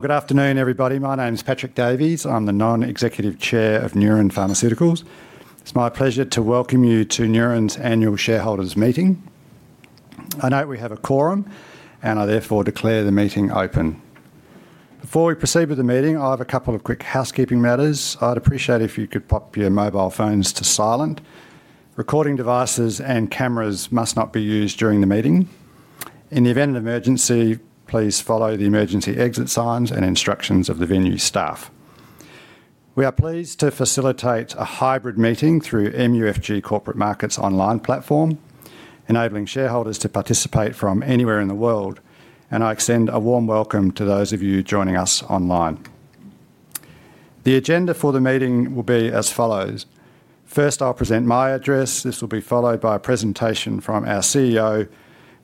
Good afternoon, everybody. My name is Patrick Davies. I'm the Non-Executive Chair of Neuren Pharmaceuticals. It's my pleasure to welcome you to Neuren's Annual Shareholders Meeting. I know we have a quorum, and I therefore declare the meeting open. Before we proceed with the meeting, I have a couple of quick housekeeping matters. I'd appreciate if you could pop your mobile phones to silent. Recording devices and cameras must not be used during the meeting. In the event of an emergency, please follow the emergency exit signs and instructions of the venue staff. We are pleased to facilitate a hybrid meeting through MUFG Corporate Markets' online platform, enabling shareholders to participate from anywhere in the world, and I extend a warm welcome to those of you joining us online. The agenda for the meeting will be as follows. First, I'll present my address. This will be followed by a presentation from our CEO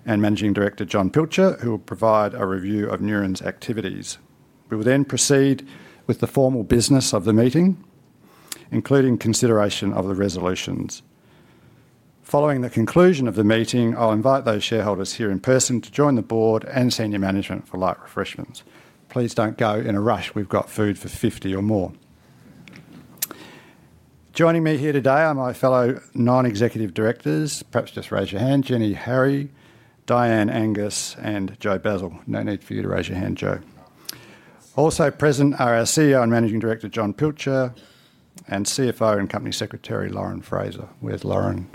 and Managing Director, Jon Pilcher, who will provide a review of Neuren's activities. We will proceed with the formal business of the meeting, including consideration of the resolutions. Following the conclusion of the meeting, I'll invite those shareholders here in person to join the Board and Senior Management for light refreshments. Please don't go in a rush. We've got food for 50 or more. Joining me here today are my fellow Non-Executive Directors. Perhaps just raise your hand. Jenny Harry, Dianne Angus, and Joe Basile. No need for you to raise your hand, Joe. Also present are our CEO and Managing Director, Jon Pilcher, and CFO and Company Secretary, Lauren Frazer. Where's Lauren?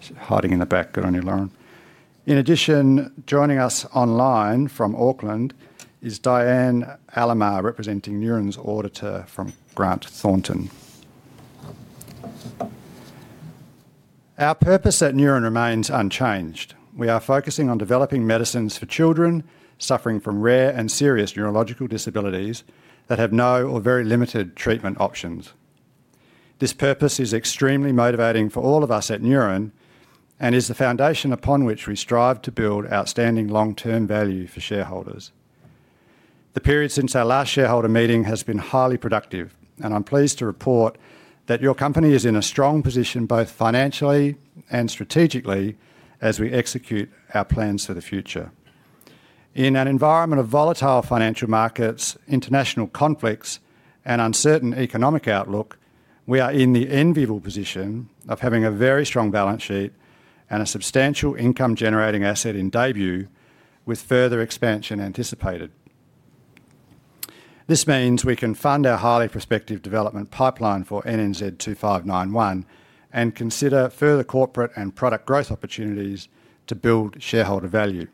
She's hiding in the back. Good on you, Lauren. In addition, joining us online from Auckland is Diane Alamar, representing Neuren's auditor from Grant Thornton. Our purpose at Neuren remains unchanged. We are focusing on developing medicines for children suffering from rare and serious neurological disabilities that have no or very limited treatment options. This purpose is extremely motivating for all of us at Neuren and is the foundation upon which we strive to build outstanding long-term value for shareholders. The period since our last shareholder meeting has been highly productive, and I'm pleased to report that your company is in a strong position, both financially and strategically, as we execute our plans for the future. In an environment of volatile financial markets, international conflicts, and uncertain economic outlook, we are in the enviable position of having a very strong balance sheet and a substantial income-generating asset in DAYBUE, with further expansion anticipated. This means we can fund our highly prospective development pipeline for NNZ-2591 and consider further corporate and product growth opportunities to build shareholder value.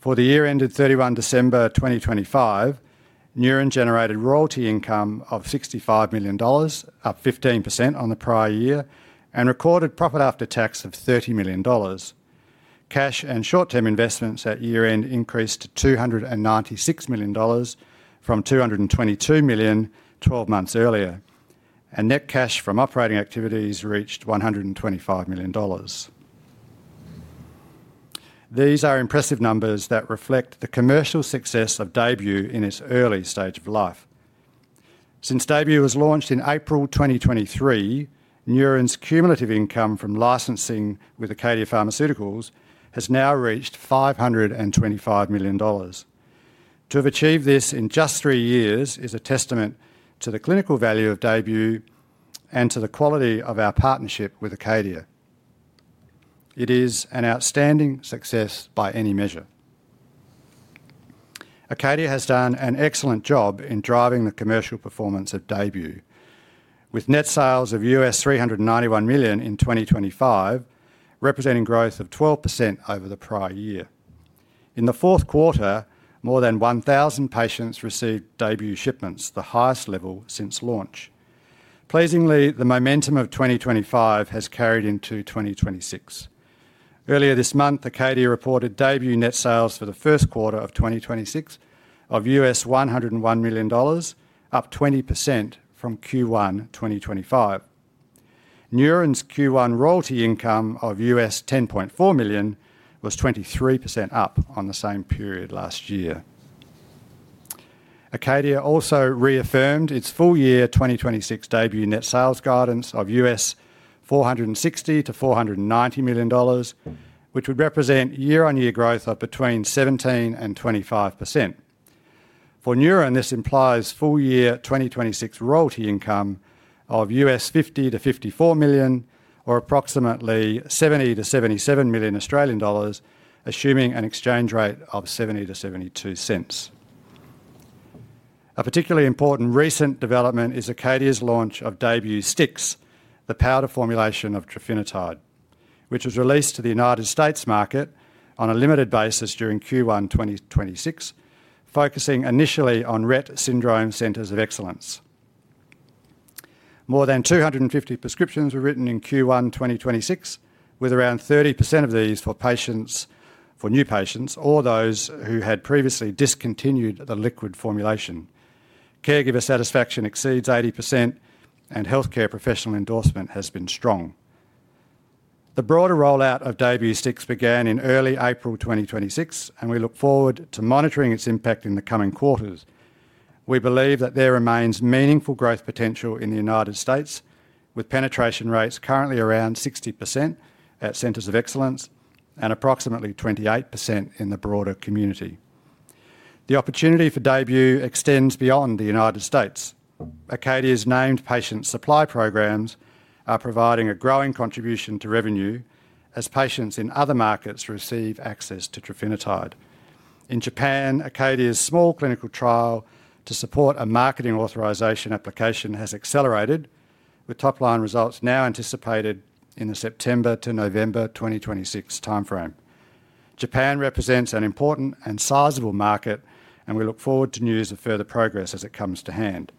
For the year ended 31 December 2025, Neuren generated royalty income of 65 million dollars, up 15% on the prior year, and recorded profit after tax of 30 million dollars. Cash and short-term investments at year-end increased to 296 million dollars from 222 million 12 months earlier, and net cash from operating activities reached 125 million dollars. These are impressive numbers that reflect the commercial success of DAYBUE in its early stage of life. Since DAYBUE was launched in April 2023, Neuren's cumulative income from licensing with Acadia Pharmaceuticals has now reached 525 million dollars. To have achieved this in just three years is a testament to the clinical value of DAYBUE and to the quality of our partnership with Acadia. It is an outstanding success by any measure. Acadia has done an excellent job in driving the commercial performance of DAYBUE, with net sales of $391 million in 2025, representing growth of 12% over the prior year. In the fourth quarter, more than 1,000 patients received DAYBUE shipments, the highest level since launch. Pleasingly, the momentum of 2025 has carried into 2026. Earlier this month, Acadia reported DAYBUE net sales for the first quarter of 2026 of $101 million, up 20% from Q1 2025. Neuren's Q1 royalty income of $10.4 million was 23% up on the same period last year. Acadia also reaffirmed its full-year 2026 DAYBUE net sales guidance of $460 million-$490 million, which would represent year-on-year growth of between 17% and 25%. For Neuren, this implies full-year 2026 royalty income of $50 million-$54 million, or approximately 70 million-77 million Australian dollars, assuming an exchange rate of 0.70-0.72. A particularly important recent development is Acadia's launch of DAYBUE STIX, the powder formulation of trofinetide, which was released to the U.S. market on a limited basis during Q1 2026, focusing initially on Rett syndrome centers of excellence. More than 250 prescriptions were written in Q1 2026, with around 30% of these for new patients or those who had previously discontinued the liquid formulation. Caregiver satisfaction exceeds 80%, and healthcare professional endorsement has been strong. The broader rollout of DAYBUE STIX began in early April 2026, and we look forward to monitoring its impact in the coming quarters. We believe that there remains meaningful growth potential in the U.S., with penetration rates currently around 60% at centers of excellence and approximately 28% in the broader community. The opportunity for DAYBUE extends beyond the U.S. Acadia's named patient supply programs are providing a growing contribution to revenue as patients in other markets receive access to trofinetide. In Japan, Acadia's small clinical trial to support a marketing authorization application has accelerated, with top-line results now anticipated in the September to November 2026 timeframe. Japan represents an important and sizable market, and we look forward to news of further progress as it comes to hand.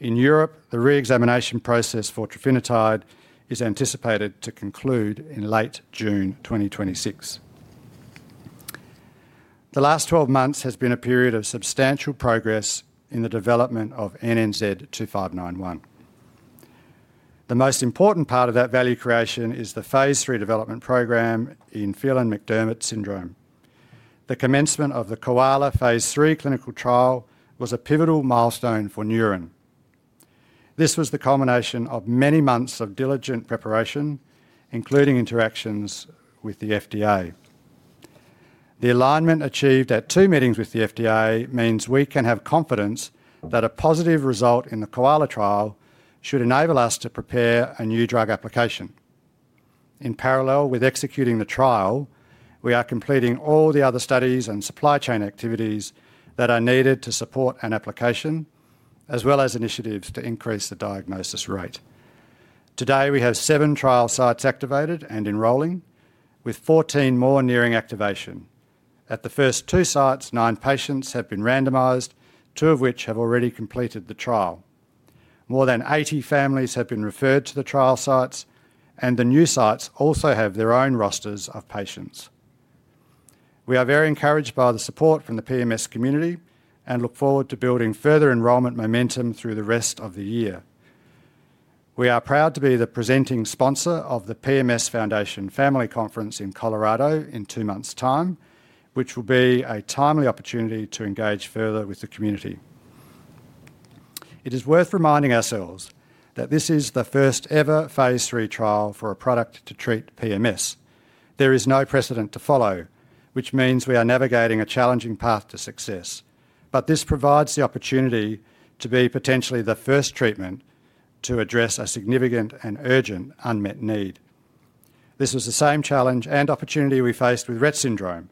In Europe, the re-examination process for trofinetide is anticipated to conclude in late June 2026. The last 12 months has been a period of substantial progress in the development of NNZ-2591. The most important part of that value creation is the phase III development program in Phelan-McDermid syndrome. The commencement of the KOALA phase III clinical trial was a pivotal milestone for Neuren. This was the culmination of many months of diligent preparation, including interactions with the FDA. The alignment achieved at two meetings with the FDA means we can have confidence that a positive result in the KOALA trial should enable us to prepare a New Drug Application. In parallel with executing the trial, we are completing all the other studies and supply chain activities that are needed to support an application, as well as initiatives to increase the diagnosis rate. Today, we have seven trial sites activated and enrolling, with 14 more nearing activation. At the first two sites, nine patients have been randomized, two of which have already completed the trial. More than 80 families have been referred to the trial sites, and the new sites also have their own rosters of patients. We are very encouraged by the support from the PMS community and look forward to building further enrollment momentum through the rest of the year. We are proud to be the presenting sponsor of the PMS Foundation Family Conference in Colorado in two months' time, which will be a timely opportunity to engage further with the community. It is worth reminding ourselves that this is the first-ever phase III trial for a product to treat PMS. There is no precedent to follow, which means we are navigating a challenging path to success. This provides the opportunity to be potentially the first treatment to address a significant and urgent unmet need. This was the same challenge and opportunity we faced with Rett syndrome,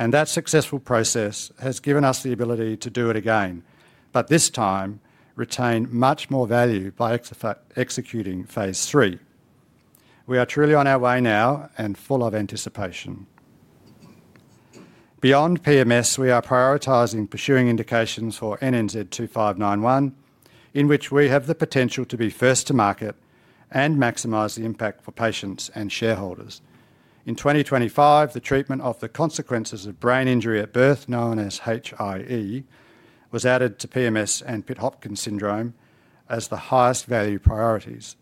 and that successful process has given us the ability to do it again, but this time retain much more value by executing phase III. We are truly on our way now and full of anticipation. Beyond PMS, we are prioritizing pursuing indications for NNZ-2591, in which we have the potential to be first to market and maximize the impact for patients and shareholders. In 2025, the treatment of the consequences of brain injury at birth, known as HIE, was added to PMS and Pitt-Hopkins syndrome as the highest value priorities.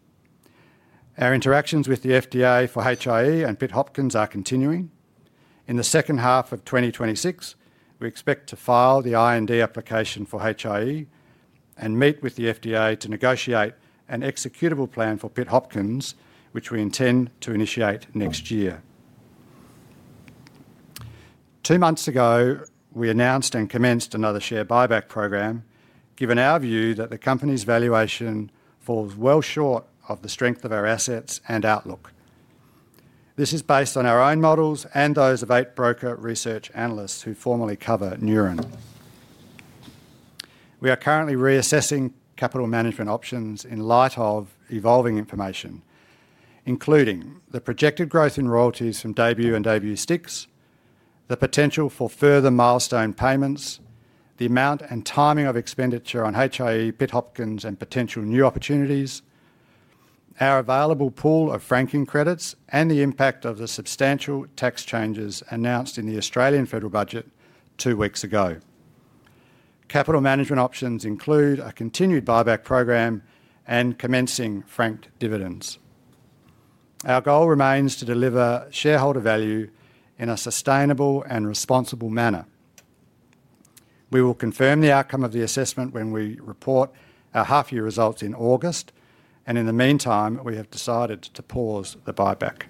Our interactions with the FDA for HIE and Pitt-Hopkins are continuing. In the second half of 2026, we expect to file the IND application for HIE and meet with the FDA to negotiate an executable plan for Pitt-Hopkins, which we intend to initiate next year. Two months ago, we announced and commenced another share buyback program, given our view that the company's valuation falls well short of the strength of our assets and outlook. This is based on our own models and those of eight broker research analysts who formally cover Neuren. We are currently reassessing capital management options in light of evolving information, including the projected growth in royalties from DAYBUE and DAYBUE STIX, the potential for further milestone payments, the amount and timing of expenditure on HIE, Pitt-Hopkins, and potential new opportunities, our available pool of franking credits, and the impact of the substantial tax changes announced in the Australian federal budget two weeks ago. Capital management options include a continued buyback program and commencing franked dividends. Our goal remains to deliver shareholder value in a sustainable and responsible manner. We will confirm the outcome of the assessment when we report our half-year results in August, and in the meantime, we have decided to pause the buyback.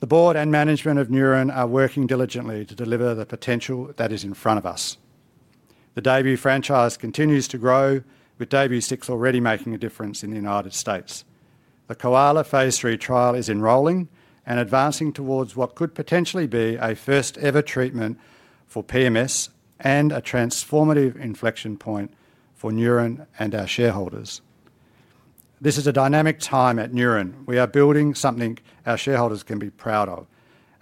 The Board and management of Neuren are working diligently to deliver the potential that is in front of us. The DAYBUE franchise continues to grow, with DAYBUE STIX already making a difference in the United States. The KOALA phase III trial is enrolling and advancing towards what could potentially be a first-ever treatment for PMS and a transformative inflection point for Neuren and our shareholders. This is a dynamic time at Neuren. We are building something our shareholders can be proud of,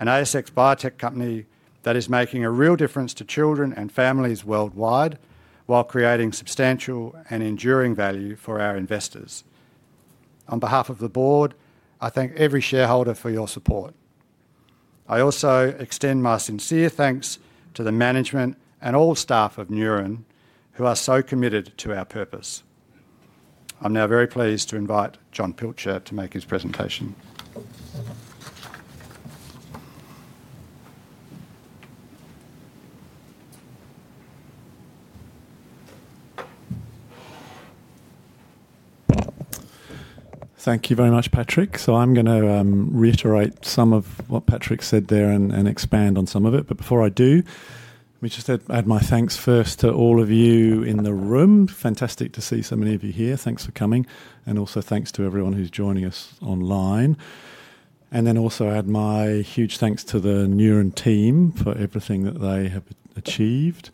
an ASX biotech company that is making a real difference to children and families worldwide while creating substantial and enduring value for our investors. On behalf of the Board, I thank every shareholder for your support. I also extend my sincere thanks to the management and all staff of Neuren who are so committed to our purpose. I am now very pleased to invite Jon Pilcher to make his presentation. Thank you very much, Patrick. I'm going to reiterate some of what Patrick said there and expand on some of it. Before I do, let me just add my thanks first to all of you in the room. Fantastic to see so many of you here. Thanks for coming. Also thanks to everyone who's joining us online. Also add my huge thanks to the Neuren team for everything that they have achieved.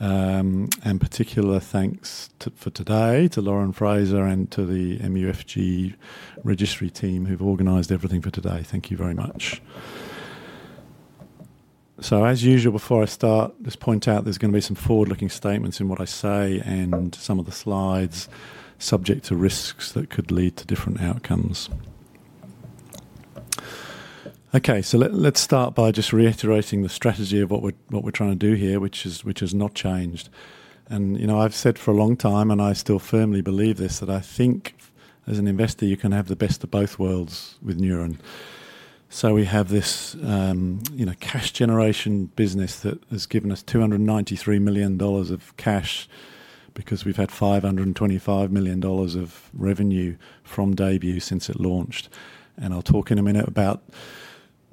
Particular thanks for today to Lauren Frazer and to the MUFG registry team who've organized everything for today. Thank you very much. As usual, before I start, just point out there's going to be some forward-looking statements in what I say and some of the slides subject to risks that could lead to different outcomes. Okay, let's start by just reiterating the strategy of what we're trying to do here, which has not changed. I've said for a long time, and I still firmly believe this, that I think as an investor you can have the best of both worlds with Neuren. We have this cash generation business that has given us 293 million dollars of cash because we've had 525 million dollars of revenue from DAYBUE since it launched. I'll talk in a minute about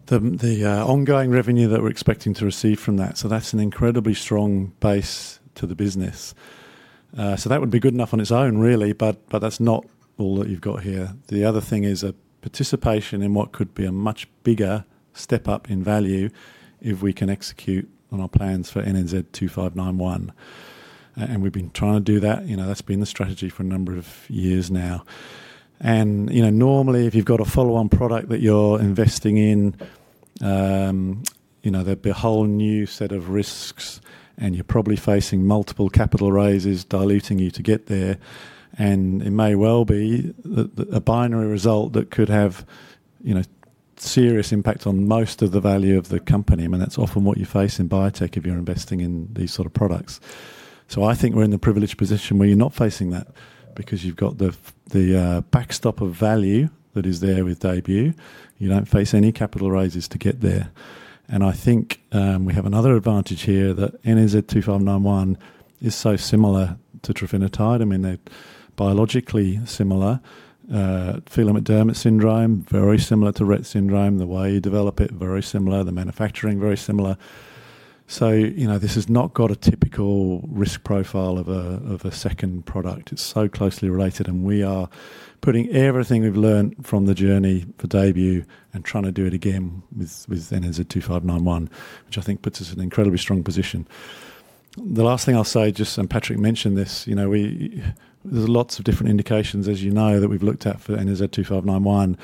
the ongoing revenue that we're expecting to receive from that. That's an incredibly strong base to the business. That would be good enough on its own really, but that's not all that you've got here. The other thing is a participation in what could be a much bigger step up in value if we can execute on our plans for NNZ-2591. We've been trying to do that. That's been the strategy for a number of years now. Normally, if you've got a follow-on product that you're investing in, there'd be a whole new set of risks and you're probably facing multiple capital raises diluting you to get there, and it may well be that a binary result that could have serious impact on most of the value of the company. I mean, that's often what you face in biotech if you're investing in these sort of products. I think we're in the privileged position where you're not facing that because you've got the backstop of value that is there with DAYBUE. You don't face any capital raises to get there. I think we have another advantage here that NNZ-2591 is so similar to trofinetide. I mean, they're biologically similar. Phelan-McDermid syndrome, very similar to Rett syndrome. The way you develop it, very similar. The manufacturing, very similar. This has not got a typical risk profile of a second product. It's so closely related, and we are putting everything we've learned from the journey for DAYBUE and trying to do it again with NNZ-2591, which I think puts us in an incredibly strong position. The last thing I'll say, just Patrick mentioned this, there's lots of different indications as you know that we've looked at for NNZ-2591.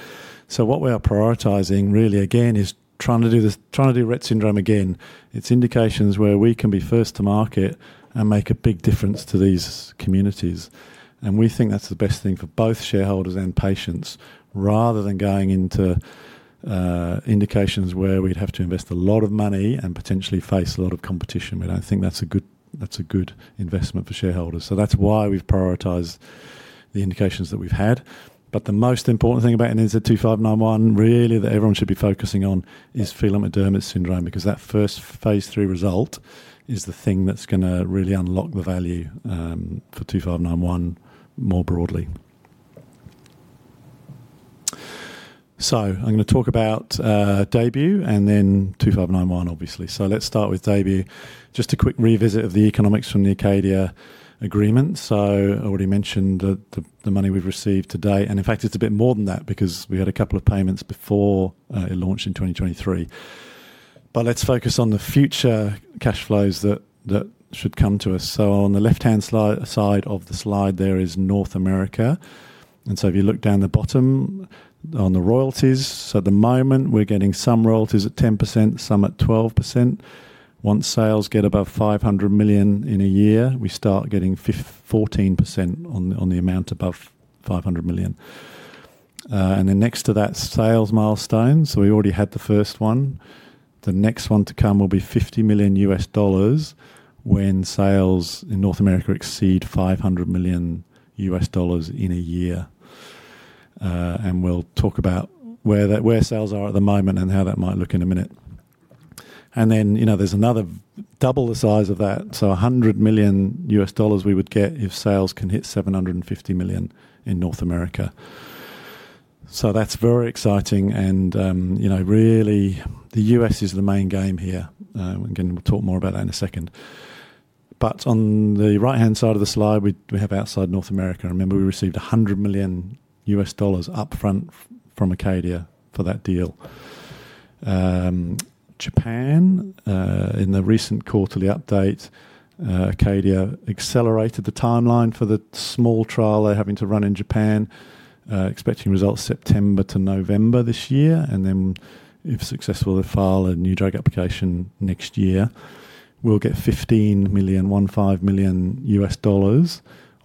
What we are prioritizing really again is trying to do Rett syndrome again. It's indications where we can be first to market and make a big difference to these communities. We think that's the best thing for both shareholders and patients rather than going into indications where we'd have to invest a lot of money and potentially face a lot of competition. We don't think that's a good investment for shareholders. That's why we've prioritized the indications that we've had. The most important thing about NNZ-2591 really that everyone should be focusing on is Phelan-McDermid syndrome, because that first phase III result is the thing that's going to really unlock the value for 2591 more broadly. I'm going to talk about DAYBUE and then NNZ-2591 obviously. Let's start with DAYBUE. Just a quick revisit of the economics from the Acadia agreement. I already mentioned the money we've received to date, and in fact it's a bit more than that because we had a couple of payments before it launched in 2023. Let's focus on the future cash flows that should come to us. On the left-hand side of the slide there is North America. If you look down the bottom on the royalties, at the moment we're getting some royalties at 10%, some at 12%. Once sales get above 500 million in a year, we start getting 14% on the amount above 500 million. Next to that sales milestone, we already had the first one. The next one to come will be $50 million when sales in North America exceed $500 million in a year. We'll talk about where sales are at the moment and how that might look in a minute. There's another double the size of that, $100 million we would get if sales can hit $750 million in North America. That's very exciting and really the U.S. is the main game here. Again, we'll talk more about that in a second. On the right-hand side of the slide, we have outside North America. Remember we received $100 million upfront from Acadia for that deal. Japan, in the recent quarterly update, Acadia accelerated the timeline for the small trial they're having to run in Japan, expecting results September to November this year. If successful, they file a New Drug Application next year. We'll get $15 million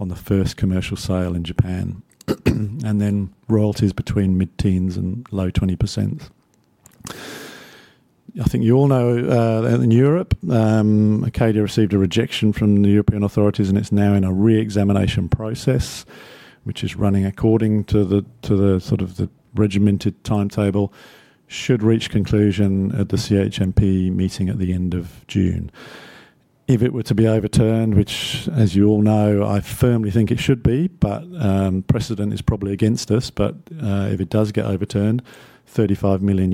on the first commercial sale in Japan. Royalties between mid-teens and low 20%. I think you all know that in Europe, Acadia received a rejection from the European authorities, and it's now in a re-examination process, which is running according to the regimented timetable. Should reach conclusion at the CHMP meeting at the end of June. If it were to be overturned, which, as you all know, I firmly think it should be, but precedent is probably against us. If it does get overturned, $35 million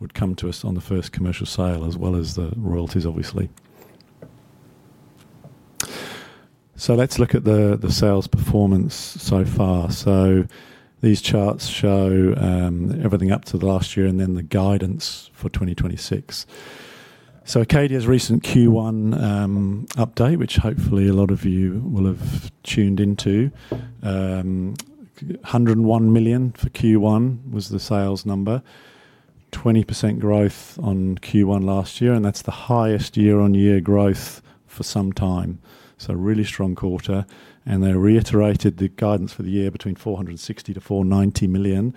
would come to us on the first commercial sale as well as the royalties, obviously. Let's look at the sales performance so far. These charts show everything up to the last year and then the guidance for 2026. Acadia's recent Q1 update, which hopefully a lot of you will have tuned into. $101 million for Q1 was the sales number. 20% growth on Q1 last year, and that's the highest year-on-year growth for some time. Really strong quarter, and they reiterated the guidance for the year between $460 million-$490 million,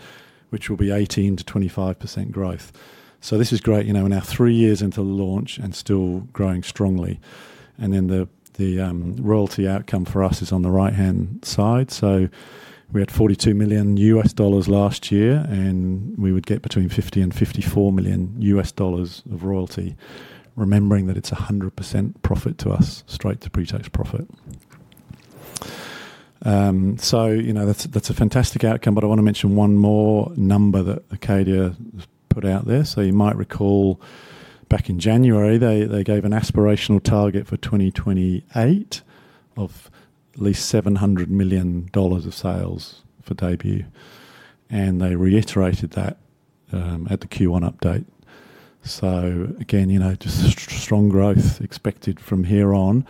which will be 18%-25% growth. This is great. We're now three years into the launch and still growing strongly. Then the royalty outcome for us is on the right-hand side. We had $42 million last year, and we would get between $50 million and $54 million of royalty, remembering that it's 100% profit to us, straight to pre-tax profit. That's a fantastic outcome, but I want to mention one more number that Acadia put out there. You might recall back in January, they gave an aspirational target for 2028 of at least $700 million of sales for DAYBUE, and they reiterated that at the Q1 update. Again, just strong growth expected from here on.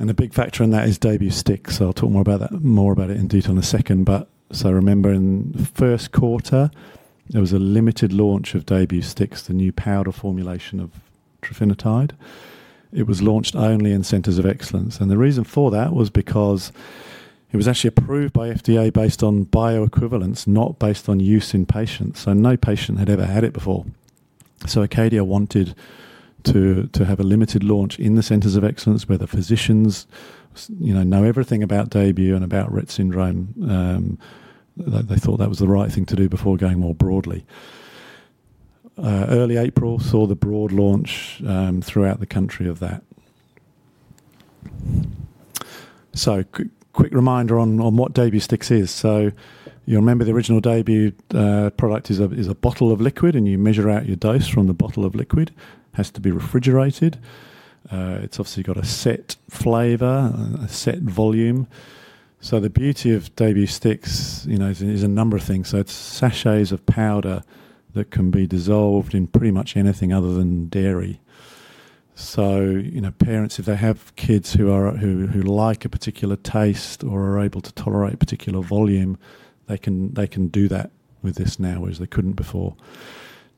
A big factor in that is DAYBUE STIX. I'll talk more about it in detail in a second. Remember in the first quarter, there was a limited launch of DAYBUE STIX, the new powder formulation of trofinetide. It was launched only in Centers of Excellence. The reason for that was because it was actually approved by FDA based on bioequivalence, not based on use in patients. No patient had ever had it before. Acadia wanted to have a limited launch in the Centers of Excellence where the physicians know everything about DAYBUE and about Rett syndrome. They thought that was the right thing to do before going more broadly. Early April saw the broad launch throughout the country of that. Quick reminder on what DAYBUE STIX is. You'll remember the original DAYBUE product is a bottle of liquid, and you measure out your dose from the bottle of liquid. Has to be refrigerated. It's obviously got a set flavor, a set volume. The beauty of DAYBUE STIX is a number of things. It's sachets of powder that can be dissolved in pretty much anything other than dairy. Parents, if they have kids who like a particular taste or are able to tolerate a particular volume, they can do that with this now, whereas they couldn't before.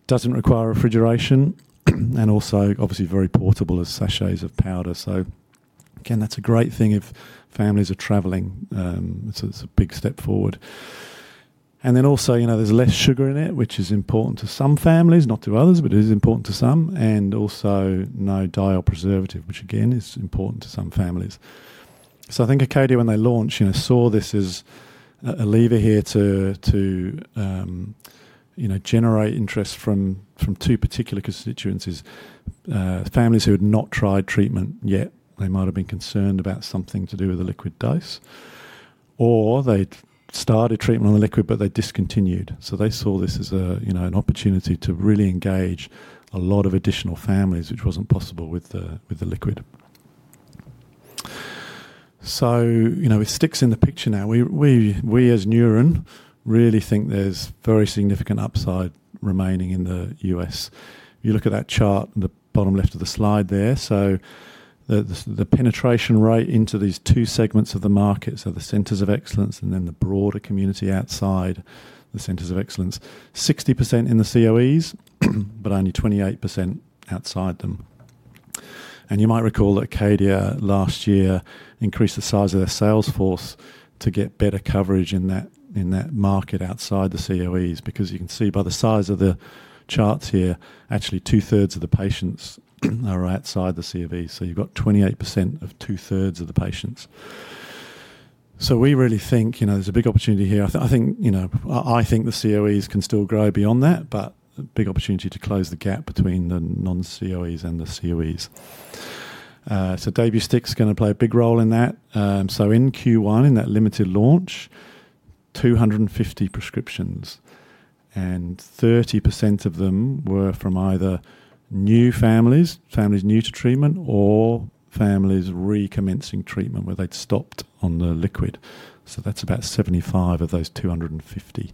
Doesn't require refrigeration, obviously very portable as sachets of powder. Again, that's a great thing if families are traveling. It's a big step forward. There's less sugar in it, which is important to some families, not to others, but it is important to some. No dye or preservative, which again, is important to some families. I think Acadia, when they launched, saw this as a lever here to generate interest from two particular constituencies. Families who had not tried treatment yet, they might've been concerned about something to do with the liquid dose. They'd started treatment on the liquid, but they discontinued. They saw this as an opportunity to really engage a lot of additional families, which wasn't possible with the liquid. With Stix in the picture now, we as Neuren really think there's very significant upside remaining in the U.S. If you look at that chart in the bottom left of the slide there. The penetration rate into these two segments of the market. The Centers of Excellence and then the broader community outside the Centers of Excellence. 60% in the COEs, but only 28% outside them. You might recall that Acadia last year increased the size of their sales force to get better coverage in that market outside the COEs, because you can see by the size of the charts here, actually two-thirds of the patients are outside the COEs. You've got 28% of 2/3 of the patients. We really think there's a big opportunity here. I think the COEs can still grow beyond that, but a big opportunity to close the gap between the non-COEs and the COEs. DAYBUE STIX is going to play a big role in that. In Q1, in that limited launch, 250 prescriptions, and 30% of them were from either new families new to treatment, or families recommencing treatment where they'd stopped on the liquid. That's about 75 of those 250.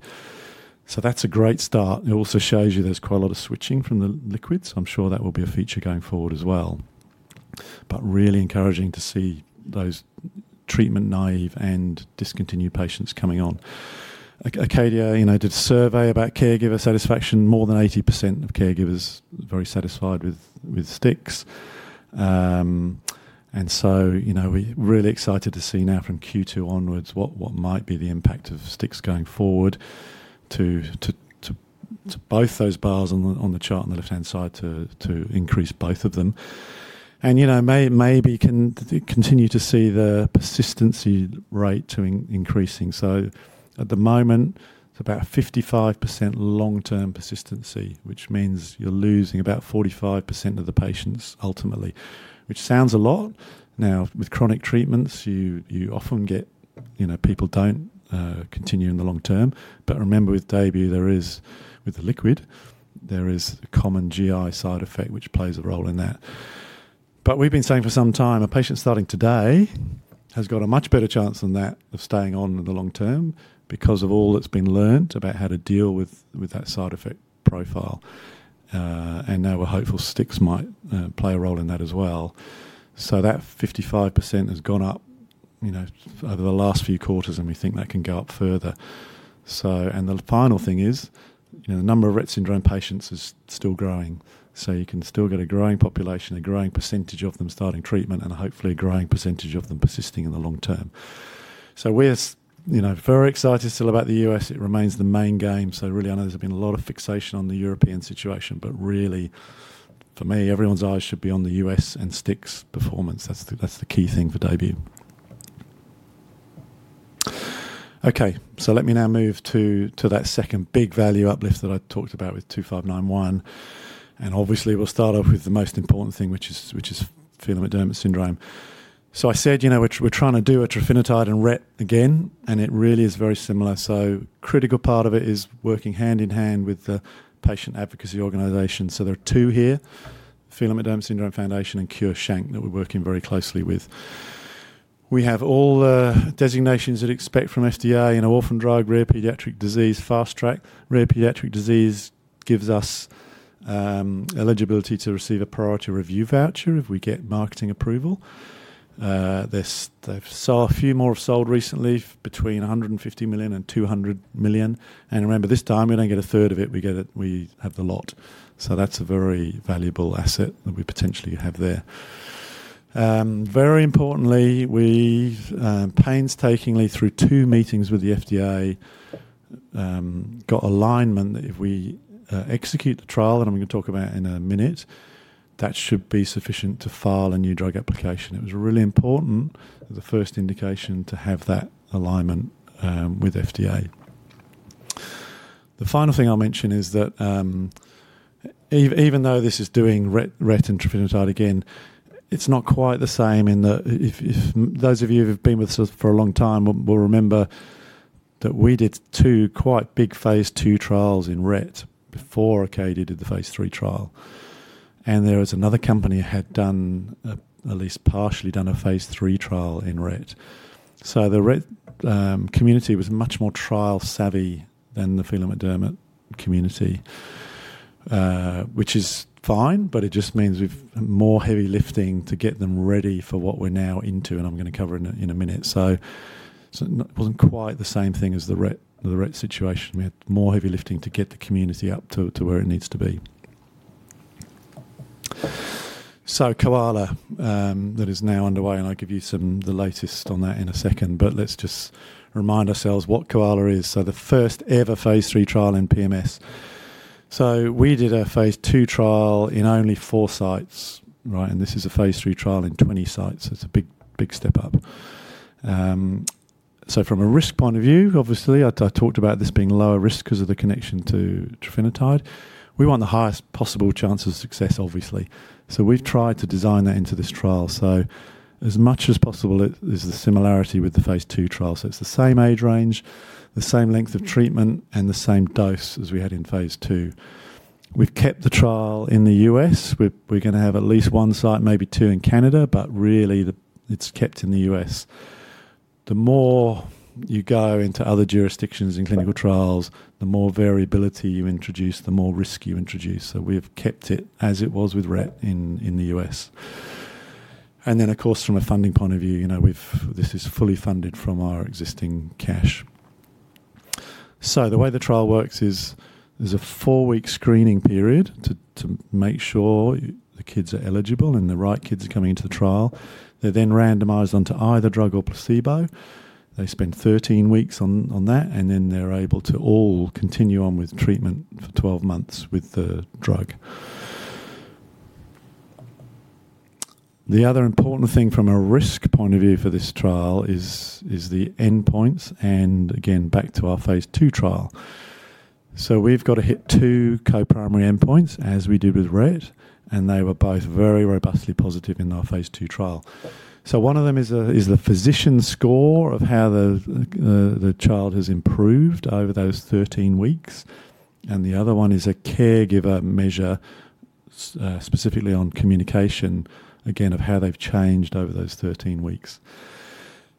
That's a great start. It also shows you there's quite a lot of switching from the liquids. I'm sure that will be a feature going forward as well. Really encouraging to see those treatment-naive and discontinued patients coming on. Acadia did a survey about caregiver satisfaction. More than 80% of caregivers were very satisfied with STIX. We're really excited to see now from Q2 onwards what might be the impact of STIX going forward to both those bars on the chart on the left-hand side to increase both of them. Maybe continue to see the persistency rate increasing. At the moment, it's about 55% long-term persistency, which means you're losing about 45% of the patients ultimately, which sounds a lot. Now, with chronic treatments, you often get people don't continue in the long term. Remember with DAYBUE, there is with the liquid, there is a common GI side effect which plays a role in that. We've been saying for some time, a patient starting today has got a much better chance than that of staying on in the long term because of all that's been learned about how to deal with that side effect profile. Now we're hopeful STIX might play a role in that as well. That 55% has gone up over the last few quarters, and we think that can go up further. The final thing is, the number of Rett syndrome patients is still growing. You can still get a growing population, a growing percentage of them starting treatment, and hopefully a growing percentage of them persisting in the long term. We're very excited still about the U.S. It remains the main game. Really, I know there's been a lot of fixation on the European situation, but really for me, everyone's eyes should be on the U.S. and STIX performance. That's the key thing for DAYBUE. Okay. Let me now move to that second big value uplift that I talked about with NNZ-2591, and obviously, we'll start off with the most important thing, which is Phelan-McDermid syndrome. I said we're trying to do a trofinetide and Rett again, and it really is very similar. Critical part of it is working hand in hand with the patient advocacy organization. There are two here, Phelan-McDermid Syndrome Foundation and CureSHANK that we're working very closely with. We have all the designations that expect from FDA in orphan drug, rare pediatric disease, Fast Track. Rare pediatric disease gives us eligibility to receive a priority review voucher if we get marketing approval. They've saw a few more have sold recently between 150 million and 200 million. Remember, this time we don't get a third of it, we have the lot. That's a very valuable asset that we potentially have there. Very importantly, we've painstakingly through two meetings with the FDA, got alignment that if we execute the trial, and I'm going to talk about in a minute, that should be sufficient to file a New Drug Application. It was really important as a first indication to have that alignment with FDA. The final thing I'll mention is that, even though this is doing Rett and trofinetide again, it's not quite the same in that if those of you who've been with us for a long time will remember that we did two quite big phase II trials in Rett before Acadia did the phase III trial. There was another company had done, at least partially done a phase III trial in Rett. The Rett community was much more trial savvy than the Phelan-McDermid community, which is fine, but it just means we've more heavy lifting to get them ready for what we're now into, and I'm going to cover in a minute. It wasn't quite the same thing as the Rett situation. We had more heavy lifting to get the community up to where it needs to be. KOALA that is now underway, and I'll give you some the latest on that in a second. Let's just remind ourselves what KOALA is. The first ever phase III trial in PMS. We did a phase II trial in only four sites, right? This is a phase III trial in 20 sites. It's a big step up. From a risk point of view, obviously, I talked about this being lower risk because of the connection to trofinetide. We want the highest possible chance of success, obviously. We've tried to design that into this trial. As much as possible, there's a similarity with the phase II trial. It's the same age range, the same length of treatment, and the same dose as we had in phase II. We've kept the trial in the U.S. We're going to have at least one site, maybe two in Canada, but really it's kept in the U.S. The more you go into other jurisdictions in clinical trials, the more variability you introduce, the more risk you introduce. We've kept it as it was with Rett in the U.S. Of course, from a funding point of view, this is fully funded from our existing cash. The way the trial works is there's a four-week screening period to make sure the kids are eligible and the right kids are coming into the trial. They're randomized onto either drug or placebo. They spend 13 weeks on that, then they're able to all continue on with treatment for 12 months with the drug. The other important thing from a risk point of view for this trial is the endpoints, again, back to our phase II trial. We've got to hit two co-primary endpoints as we did with Rett, they were both very robustly positive in our phase II trial. One of them is the physician score of how the child has improved over those 13 weeks, the other one is a caregiver measure, specifically on communication, again, of how they've changed over those 13 weeks.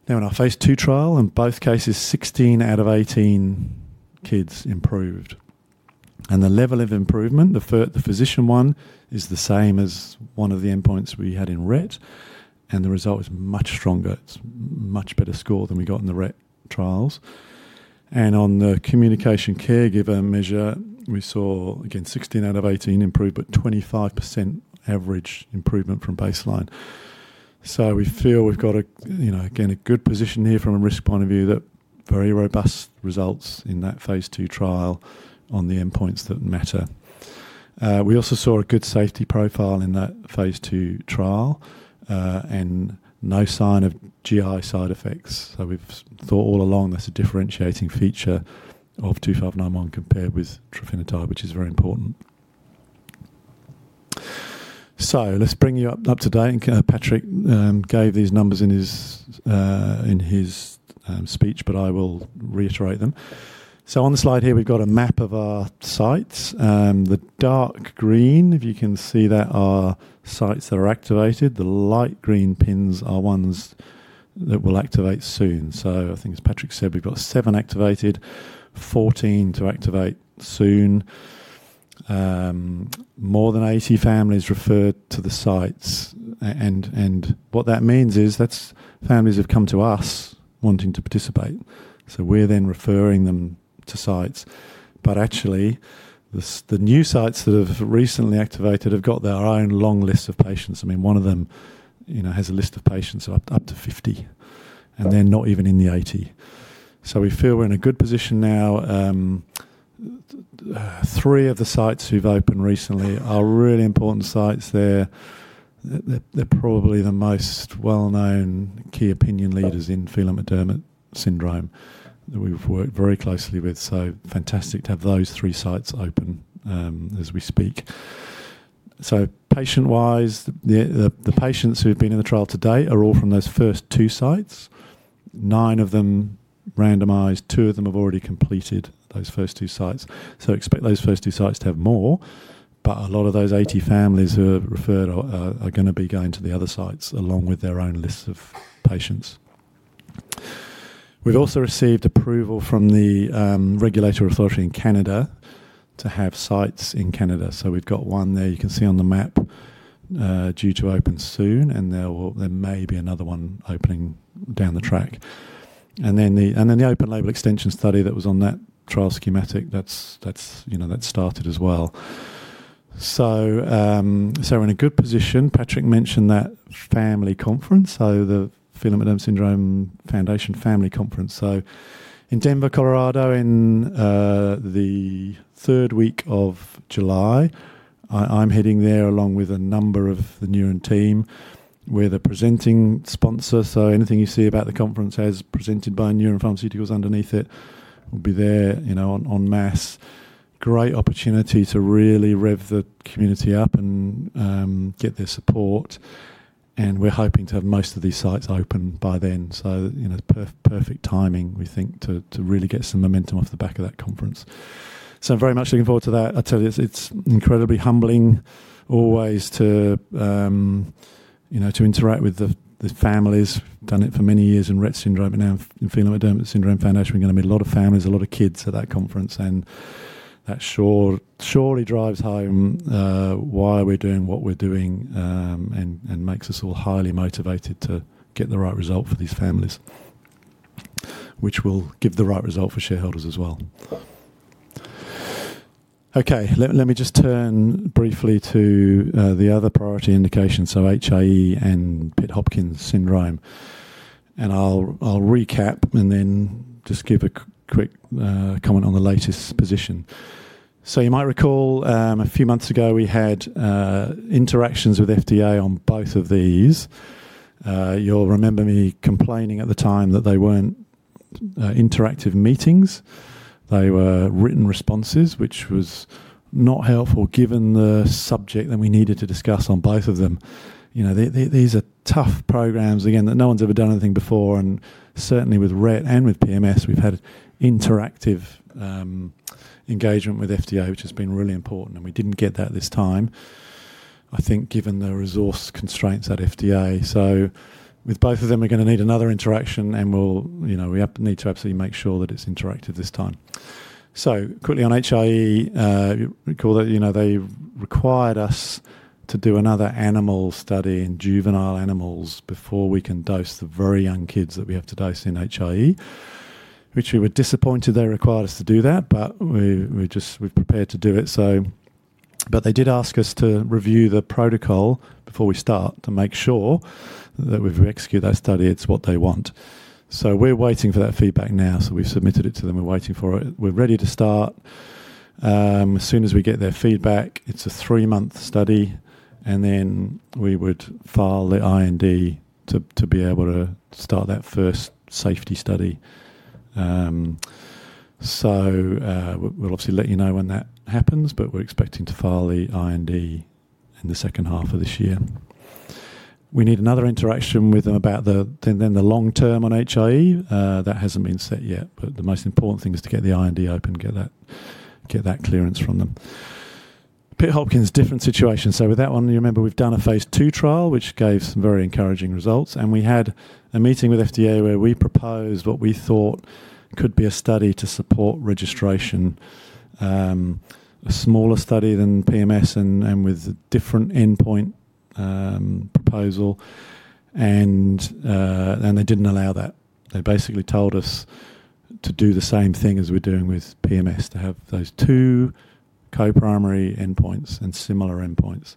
Now, in our phase II trial, in both cases, 16 out of 18 kids improved. The level of improvement, the physician one is the same as one of the endpoints we had in Rett, and the result is much stronger. It's much better score than we got in the Rett trials. On the communication caregiver measure, we saw, again, 16 out of 18 improved, but 25% average improvement from baseline. We feel we've got, again, a good position here from a risk point of view that very robust results in that phase II trial on the endpoints that matter. We also saw a good safety profile in that phase II trial, and no sign of GI side effects. We've thought all along that's a differentiating feature of NNZ-2591 compared with trofinetide, which is very important. Let's bring you up to date, and Patrick gave these numbers in his speech, but I will reiterate them. On the slide here, we've got a map of our sites. The dark green, if you can see that, are sites that are activated. The light green pins are ones that we'll activate soon. I think as Patrick said, we've got seven activated, 14 to activate soon. More than 80 families referred to the sites. What that means is that families have come to us wanting to participate. We're then referring them to sites. Actually, the new sites that have recently activated have got their own long list of patients. One of them has a list of patients up to 50, and they're not even in the 80. We feel we're in a good position now. Three of the sites who've opened recently are really important sites. They're probably the most well-known key opinion leaders in Phelan-McDermid syndrome that we've worked very closely with. Fantastic to have those three sites open as we speak. Patient-wise, the patients who've been in the trial to date are all from those first two sites. Nine of them randomized. Two of them have already completed those first two sites. Expect those first two sites to have more, but a lot of those 80 families who have referred are going to be going to the other sites along with their own lists of patients. We've also received approval from the regulatory authority in Canada to have sites in Canada. We've got one there you can see on the map due to open soon, and there may be another one opening down the track. Then the open-label extension study that was on that trial schematic, that started as well. We're in a good position. Patrick mentioned that family conference, the Phelan-McDermid Syndrome Foundation Family Conference. In Denver, Colorado, in the third week of July. I'm heading there along with a number of the Neuren team. We're the presenting sponsor, anything you see about the conference as presented by Neuren Pharmaceuticals underneath it, we'll be there en masse. Great opportunity to really rev the community up and get their support, we're hoping to have most of these sites open by then. Perfect timing, we think, to really get some momentum off the back of that conference. Very much looking forward to that. I tell you, it's incredibly humbling always to interact with the families. Done it for many years in Rett syndrome. Now in Phelan-McDermid Syndrome Foundation, we're going to meet a lot of families, a lot of kids at that conference. That surely drives home why we're doing what we're doing, and makes us all highly motivated to get the right result for these families, which will give the right result for shareholders as well. Okay. Let me just turn briefly to the other priority indications, so HIE and Pitt-Hopkins syndrome. I'll recap and then just give a quick comment on the latest position. You might recall, a few months ago, we had interactions with FDA on both of these. You'll remember me complaining at the time that they weren't interactive meetings. They were written responses, which was not helpful given the subject that we needed to discuss on both of them. These are tough programs, again, that no one's ever done anything before, and certainly with Rett and with PMS, we've had interactive engagement with FDA, which has been really important, and we didn't get that this time, I think, given the resource constraints at FDA. With both of them, we're going to need another interaction, and we need to absolutely make sure that it's interactive this time. Quickly on HIE, you recall that they required us to do another animal study in juvenile animals before we can dose the very young kids that we have to dose in HIE. Which we were disappointed they required us to do that. We've prepared to do it. They did ask us to review the protocol before we start to make sure that if we execute that study, it's what they want. We're waiting for that feedback now. We've submitted it to them. We're waiting for it. We're ready to start as soon as we get their feedback. It's a three-month study, and then we would file the IND to be able to start that first safety study. We'll obviously let you know when that happens, but we're expecting to file the IND in the second half of this year. We need another interaction with them about then the long term on HIE. That hasn't been set yet, but the most important thing is to get the IND open, get that clearance from them. Pitt-Hopkins, different situation. With that one, you remember we've done a phase II trial, which gave some very encouraging results, and we had a meeting with FDA where we proposed what we thought could be a study to support registration. A smaller study than PMS with different endpoint proposal. They didn't allow that. They basically told us to do the same thing as we're doing with PMS, to have those two co-primary endpoints and similar endpoints.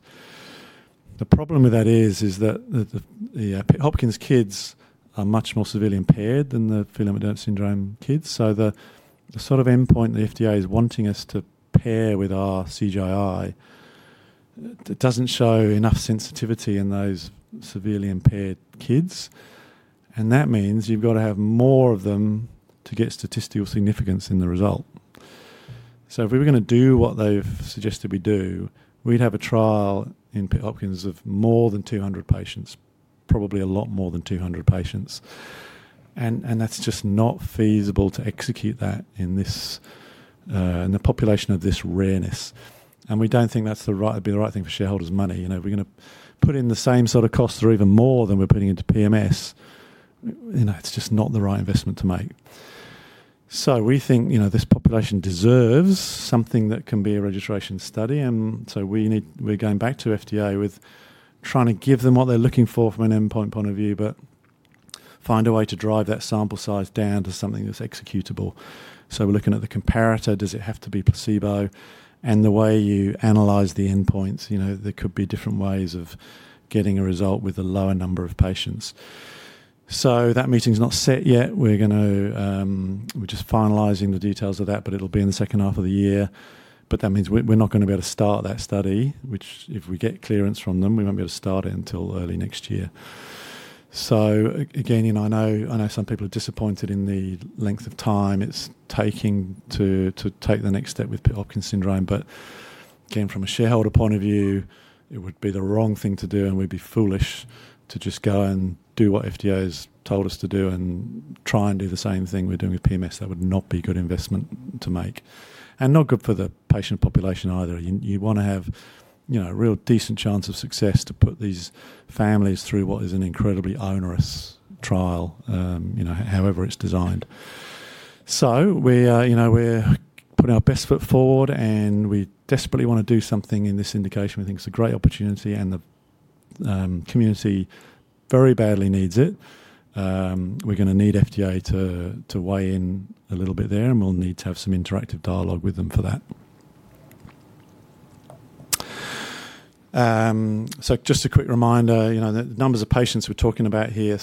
The problem with that is that the Pitt Hopkins kids are much more severely impaired than the Phelan-McDermid syndrome kids. The sort of endpoint the FDA is wanting us to pair with our CGI, it doesn't show enough sensitivity in those severely impaired kids. That means you've got to have more of them to get statistical significance in the result. If we were going to do what they've suggested we do, we'd have a trial in Pitt Hopkins of more than 200 patients, probably a lot more than 200 patients. That's just not feasible to execute that in the population of this rareness. We don't think that's the right thing for shareholders' money. If we're going to put in the same sort of costs or even more than we're putting into PMS, it's just not the right investment to make. We think this population deserves something that can be a registration study. We're going back to FDA with trying to give them what they're looking for from an endpoint point of view, find a way to drive that sample size down to something that's executable. We're looking at the comparator. Does it have to be placebo? The way you analyze the endpoints, there could be different ways of getting a result with a lower number of patients. That meeting's not set yet. We're just finalizing the details of that. It'll be in the second half of the year. That means we're not going to be able to start that study, which if we get clearance from them, we won't be able to start it until early next year. Again, I know some people are disappointed in the length of time it's taking to take the next step with Pitt-Hopkins syndrome. Again, from a shareholder point of view, it would be the wrong thing to do, and we'd be foolish to just go and do what FDA has told us to do and try and do the same thing we're doing with PMS. That would not be a good investment to make, and not good for the patient population either. You want to have a real decent chance of success to put these families through what is an incredibly onerous trial, however it's designed. We're putting our best foot forward, and we desperately want to do something in this indication. We think it's a great opportunity, and the community very badly needs it. We're going to need FDA to weigh in a little bit there, and we'll need to have some interactive dialogue with them for that. Just a quick reminder, the numbers of patients we're talking about here.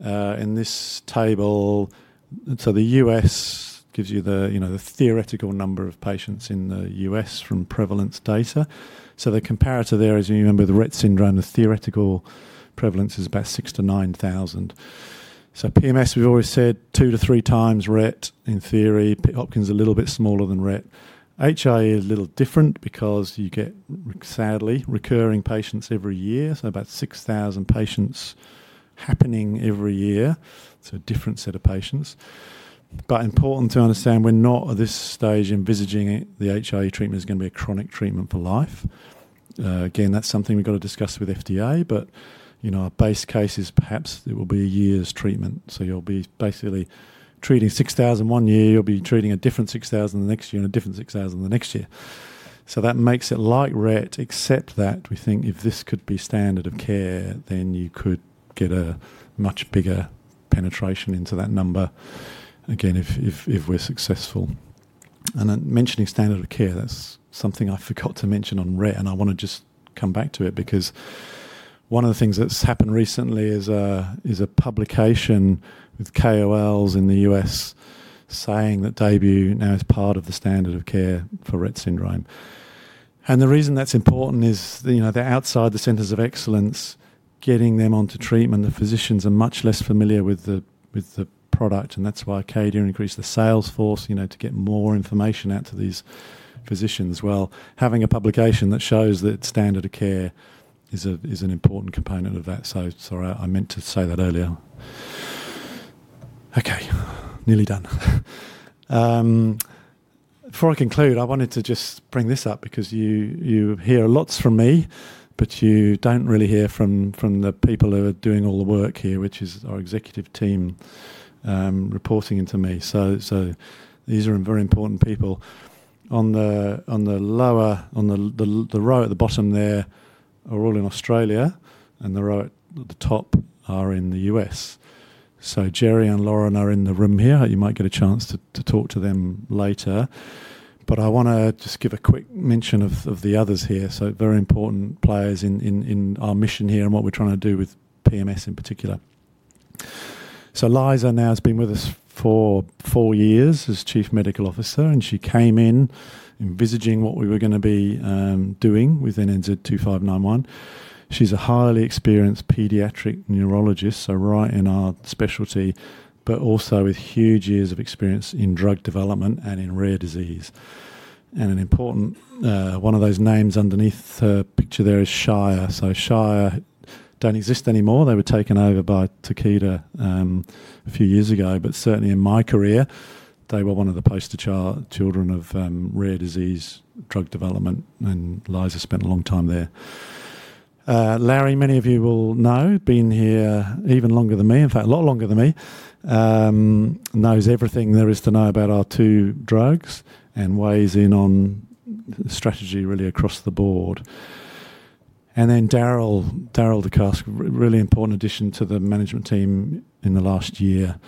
In this table, the U.S. gives you the theoretical number of patients in the U.S. from prevalence data. The comparator there, as you remember, the Rett syndrome, the theoretical prevalence is about 6,000-9,000. PMS, we've always said 2x-3x Rett in theory. Pitt Hopkins is a little bit smaller than Rett. HIE is a little different because you get, sadly, recurring patients every year, about 6,000 patients happening every year. It's a different set of patients. Important to understand, we're not at this stage envisaging the HIE treatment is going to be a chronic treatment for life. Again, that's something we've got to discuss with FDA. Our base case is perhaps it will be a year's treatment. You'll be basically treating 6,000 one year, you'll be treating a different 6,000 the next year, and a different 6,000 the next year. That makes it like Rett, except that we think if this could be standard of care, then you could get a much bigger penetration into that number, again, if we're successful. Mentioning standard of care, that's something I forgot to mention on Rett, and I want to just come back to it because one of the things that's happened recently is a publication with KOLs in the U.S. saying that DAYBUE now is part of the standard of care for Rett syndrome. The reason that's important is the outside, the centers of excellence, getting them onto treatment. The physicians are much less familiar with the product, that's why Acadia increased the sales force, to get more information out to these physicians. Having a publication that shows that standard of care is an important component of that. Sorry, I meant to say that earlier. Nearly done. Before I conclude, I wanted to just bring this up because you hear lots from me, but you don't really hear from the people who are doing all the work here, which is our executive team reporting into me. These are very important people. On the row at the bottom there are all in Australia, and the row at the top are in the U.S. Gerry and Lauren are in the room here. You might get a chance to talk to them later. I want to just give a quick mention of the others here, very important players in our mission here and what we're trying to do with PMS in particular. Liza Squires now has been with us for four years as Chief Medical Officer, and she came in envisaging what we were going to be doing with NNZ-2591. She's a highly experienced Pediatric Neurologist, so right in our specialty, but also with huge years of experience in drug development and in rare disease. An important one of those names underneath her picture there is Shire. Shire don't exist anymore. They were taken over by Takeda a few years ago. Certainly, in my career, they were one of the poster children of rare disease drug development, and Liza spent a long time there. Larry Glass, many of you will know, been here even longer than me, in fact, a lot longer than me. Knows everything there is to know about our two drugs and weighs in on strategy really across the Board. Then Daryl. Daryl DeKarske, really important addition to the management team in the last year.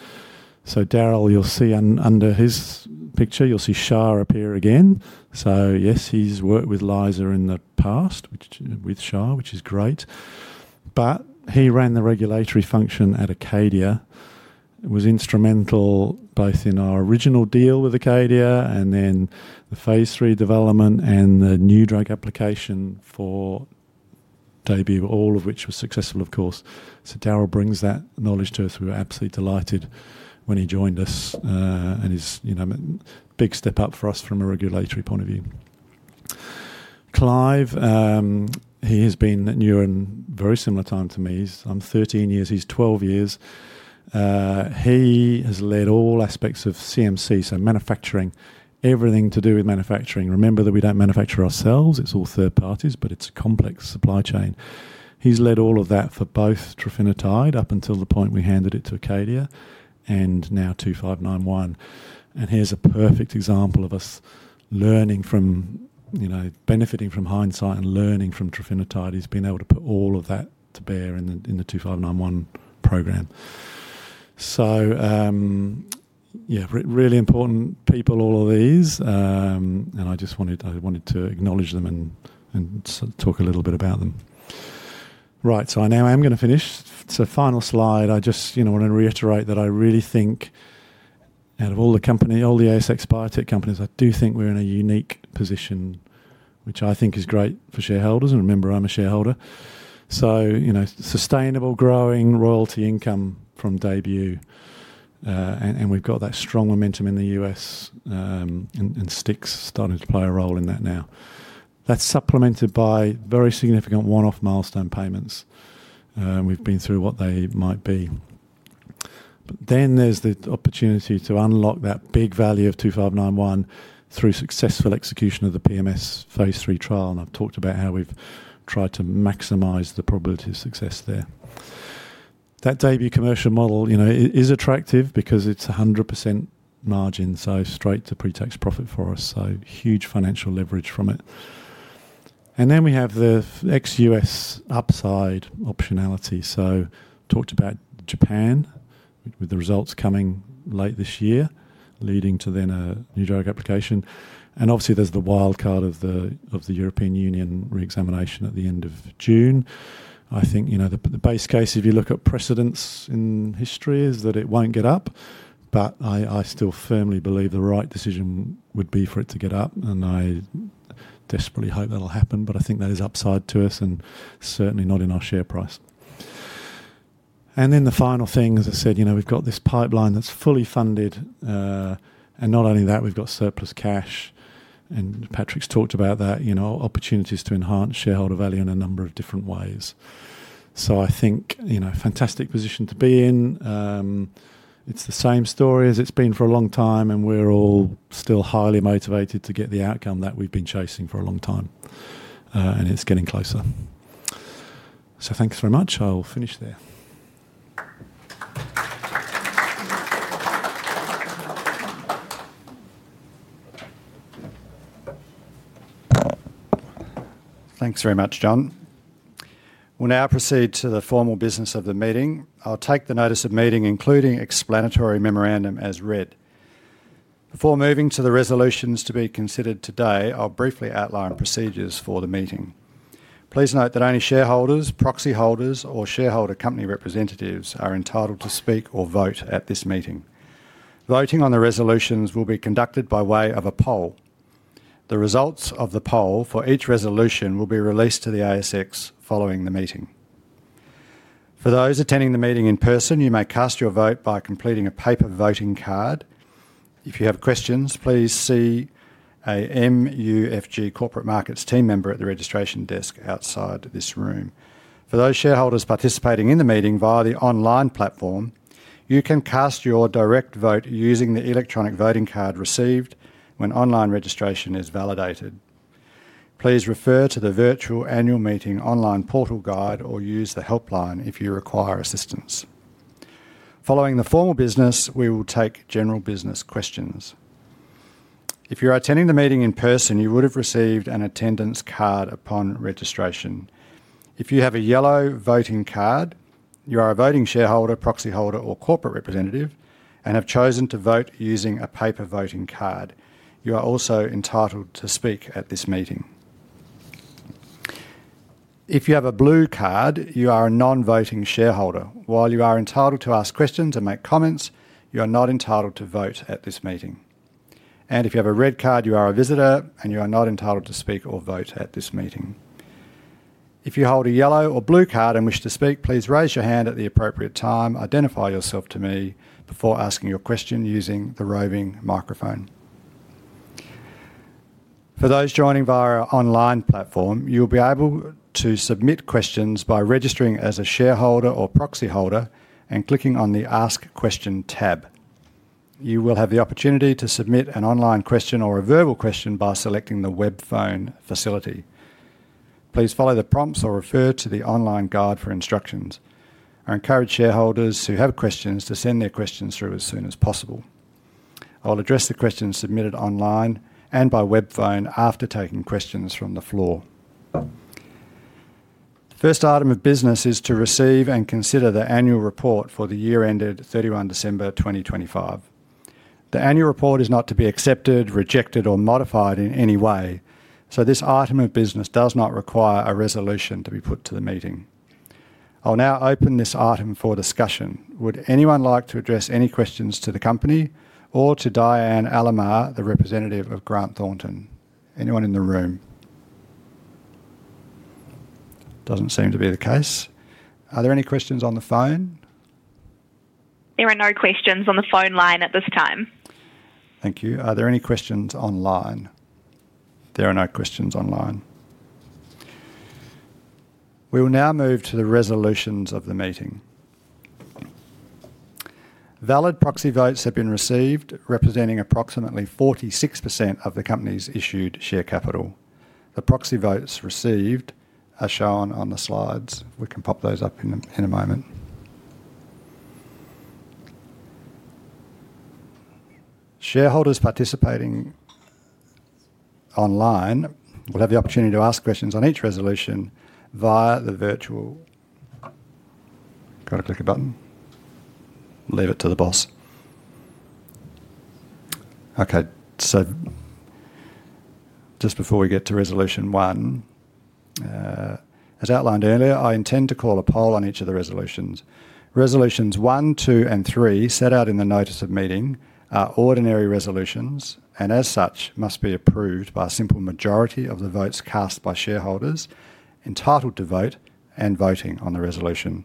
Daryl, you'll see under his picture, you'll see Shire appear again. Yes, he's worked with Liza in the past, with Shire, which is great. He ran the regulatory function at Acadia, was instrumental both in our original deal with Acadia and then the phase III development and the New Drug Application for DAYBUE, all of which was successful, of course. Daryl brings that knowledge to us. We were absolutely delighted when he joined us, and is big step up for us from a regulatory point of view. Clive Blower, he has been at Neuren very similar time to me. I'm 13 years, he's 12 years. He has led all aspects of CMC, so manufacturing, everything to do with manufacturing. Remember that we don't manufacture ourselves, it's all third parties, but it's a complex supply chain. He's led all of that for both trofinetide up until the point we handed it to Acadia, and now NNZ-2591. Here's a perfect example of us learning from, benefiting from hindsight and learning from trofinetide. He's been able to put all of that to bear in the NNZ-2591 program. Yeah, really important people, all of these. I just wanted to acknowledge them and talk a little bit about them. Right. I now am going to finish. Final slide, I just want to reiterate that I really think out of all the ASX biotech companies, I do think we're in a unique position, which I think is great for shareholders, and remember, I'm a shareholder. Sustainable growing royalty income from DAYBUE. We've got that strong momentum in the U.S., and STIX starting to play a role in that now. That's supplemented by very significant one-off milestone payments. We've been through what they might be. There's the opportunity to unlock that big value of NNZ-2591 through successful execution of the PMS phase III trial, and I've talked about how we've tried to maximize the probability of success there. That DAYBUE commercial model is attractive because it's 100% margin, so straight to pre-tax profit for us, so huge financial leverage from it. We have the ex-U.S. upside optionality. Talked about Japan, with the results coming late this year, leading to then a New Drug Application. Obviously, there's the wild card of the European Union re-examination at the end of June. I think, the base case, if you look at precedents in history is that it won't get up. I still firmly believe the right decision would be for it to get up, and I desperately hope that'll happen, but I think that is upside to us and certainly not in our share price. The final thing, as I said, we've got this pipeline that's fully funded. Not only that, we've got surplus cash, and Patrick's talked about that, opportunities to enhance shareholder value in a number of different ways. I think, fantastic position to be in. It's the same story as it's been for a long time, and we're all still highly motivated to get the outcome that we've been chasing for a long time. It's getting closer. Thanks very much. I'll finish there. Thanks very much, Jon. We'll now proceed to the formal business of the meeting. I'll take the Notice of Meeting, including explanatory memorandum as read. Before moving to the resolutions to be considered today, I'll briefly outline procedures for the meeting. Please note that only shareholders, proxy holders, or shareholder company representatives are entitled to speak or vote at this meeting. Voting on the resolutions will be conducted by way of a poll. The results of the poll for each resolution will be released to the ASX following the meeting. For those attending the meeting in person, you may cast your vote by completing a paper voting card. If you have questions, please see a MUFG Corporate Markets team member at the registration desk outside this room. For those shareholders participating in the meeting via the online platform, you can cast your direct vote using the electronic voting card received when online registration is validated. Please refer to the virtual Annual Meeting online portal guide or use the helpline if you require assistance. Following the formal business, we will take general business questions. If you're attending the meeting in person, you would have received an attendance card upon registration. If you have a yellow voting card, you are a voting shareholder, proxy holder, or corporate representative, and have chosen to vote using a paper voting card. You are also entitled to speak at this meeting. If you have a blue card, you are a non-voting shareholder. While you are entitled to ask questions and make comments, you are not entitled to vote at this meeting. If you have a red card, you are a visitor, and you are not entitled to speak or vote at this meeting. If you hold a yellow or blue card and wish to speak, please raise your hand at the appropriate time, identify yourself to me before asking your question using the roving microphone. For those joining via our online platform, you will be able to submit questions by registering as a shareholder or proxy holder and clicking on the Ask Question tab. You will have the opportunity to submit an online question or a verbal question by selecting the web phone facility. Please follow the prompts or refer to the online guide for instructions. I encourage shareholders who have questions to send their questions through as soon as possible. I will address the questions submitted online and by web phone after taking questions from the floor. First item of business is to receive and consider the annual report for the year ended 31 December 2025. The annual report is not to be accepted, rejected, or modified in any way. This item of business does not require a resolution to be put to the meeting. I'll now open this item for discussion. Would anyone like to address any questions to the company or to Diane Alamar, the representative of Grant Thornton? Anyone in the room? Doesn't seem to be the case. Are there any questions on the phone? There are no questions on the phone line at this time. Thank you. Are there any questions online? There are no questions online. We will now move to the resolutions of the meeting. Valid proxy votes have been received, representing approximately 46% of the company's issued share capital. The proxy votes received are shown on the slides. We can pop those up in a moment. Shareholders participating online will have the opportunity to ask questions on each resolution via the virtual Got to click a button? Leave it to the boss. Okay. Just before we get to Resolution 1, as outlined earlier, I intend to call a poll on each of the resolutions. Resolutions 1, 2, and 3 set out in the Notice of Meeting are ordinary resolutions, as such, must be approved by a simple majority of the votes cast by shareholders entitled to vote and voting on the resolution.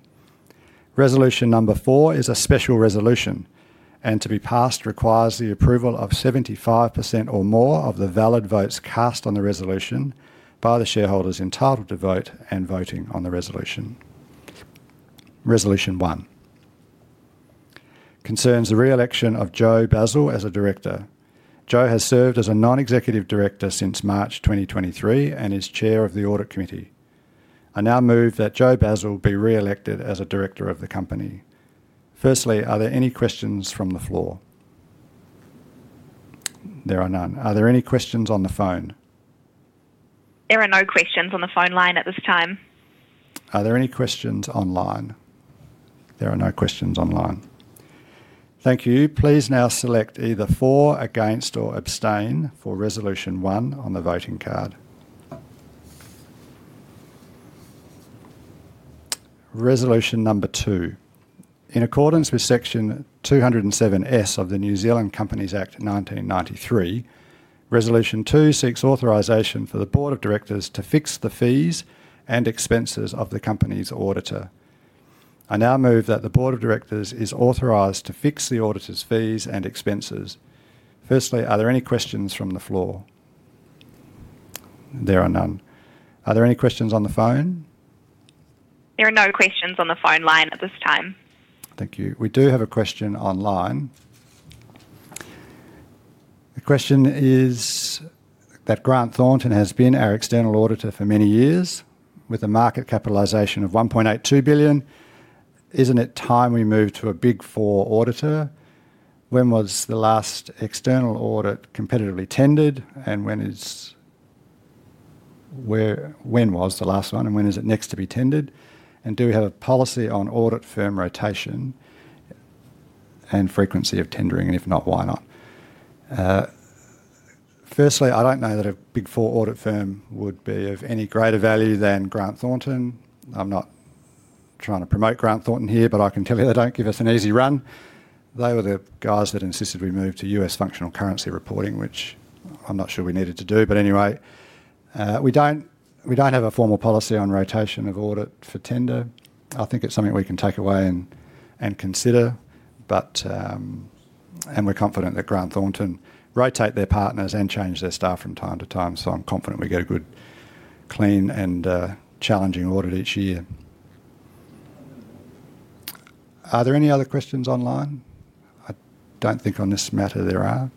Resolution Number 4 is a special resolution, to be passed, requires the approval of 75% or more of the valid votes cast on the resolution by the shareholders entitled to vote and voting on the resolution. Resolution 1 concerns the re-election of Joe Basile as a Director. Joe has served as a Non-Executive Director since March 2023 and is Chair of the Audit Committee. I now move that Joe Basile be re-elected as a Director of the company. Firstly, are there any questions from the floor? There are none. Are there any questions on the phone? There are no questions on the phone line at this time. Are there any questions online? There are no questions online. Thank you. Please now select either for, against, or abstain for Resolution 1 on the voting card. Resolution Number 2. In accordance with Section 207S of the New Zealand Companies Act 1993, Resolution 2 seeks authorization for the Board of Directors to fix the fees and expenses of the company's auditor. I now move that the Board of Directors is authorized to fix the auditor's fees and expenses. Firstly, are there any questions from the floor? There are none. Are there any questions on the phone? There are no questions on the phone line at this time. Thank you. We do have a question online. The question is that Grant Thornton has been our external auditor for many years with a market capitalization of 1.82 billion. Isn't it time we move to a Big Four auditor? When was the last external audit competitively tendered, and when is it next to be tendered? Do we have a policy on audit firm rotation and frequency of tendering, and if not, why not? Firstly, I don't know that a Big Four audit firm would be of any greater value than Grant Thornton. I'm not trying to promote Grant Thornton here, I can tell you they don't give us an easy run. They were the guys that insisted we move to U.S. functional currency reporting, which I'm not sure we needed to do. Anyway, we don't have a formal policy on rotation of audit for tender. I think it's something we can take away and consider. We're confident that Grant Thornton rotate their partners and change their staff from time to time, so I'm confident we get a good, clean, and challenging audit each year. Are there any other questions online? I don't think on this matter there are.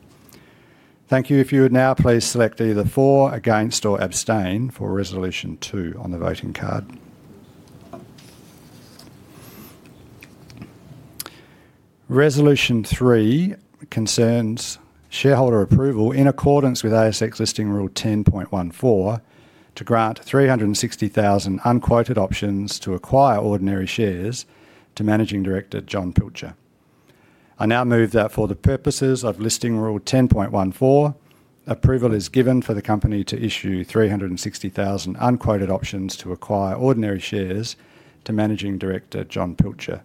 Thank you. If you would now please select either for, against, or abstain for Resolution two on the voting card. Resolution 3 concerns shareholder approval in accordance with ASX listing rule 10.14 to grant 360,000 unquoted options to acquire ordinary shares to Managing Director Jon Pilcher. I now move that for the purposes of listing rule 10.14, approval is given for the company to issue 360,000 unquoted options to acquire ordinary shares to Managing Director Jon Pilcher.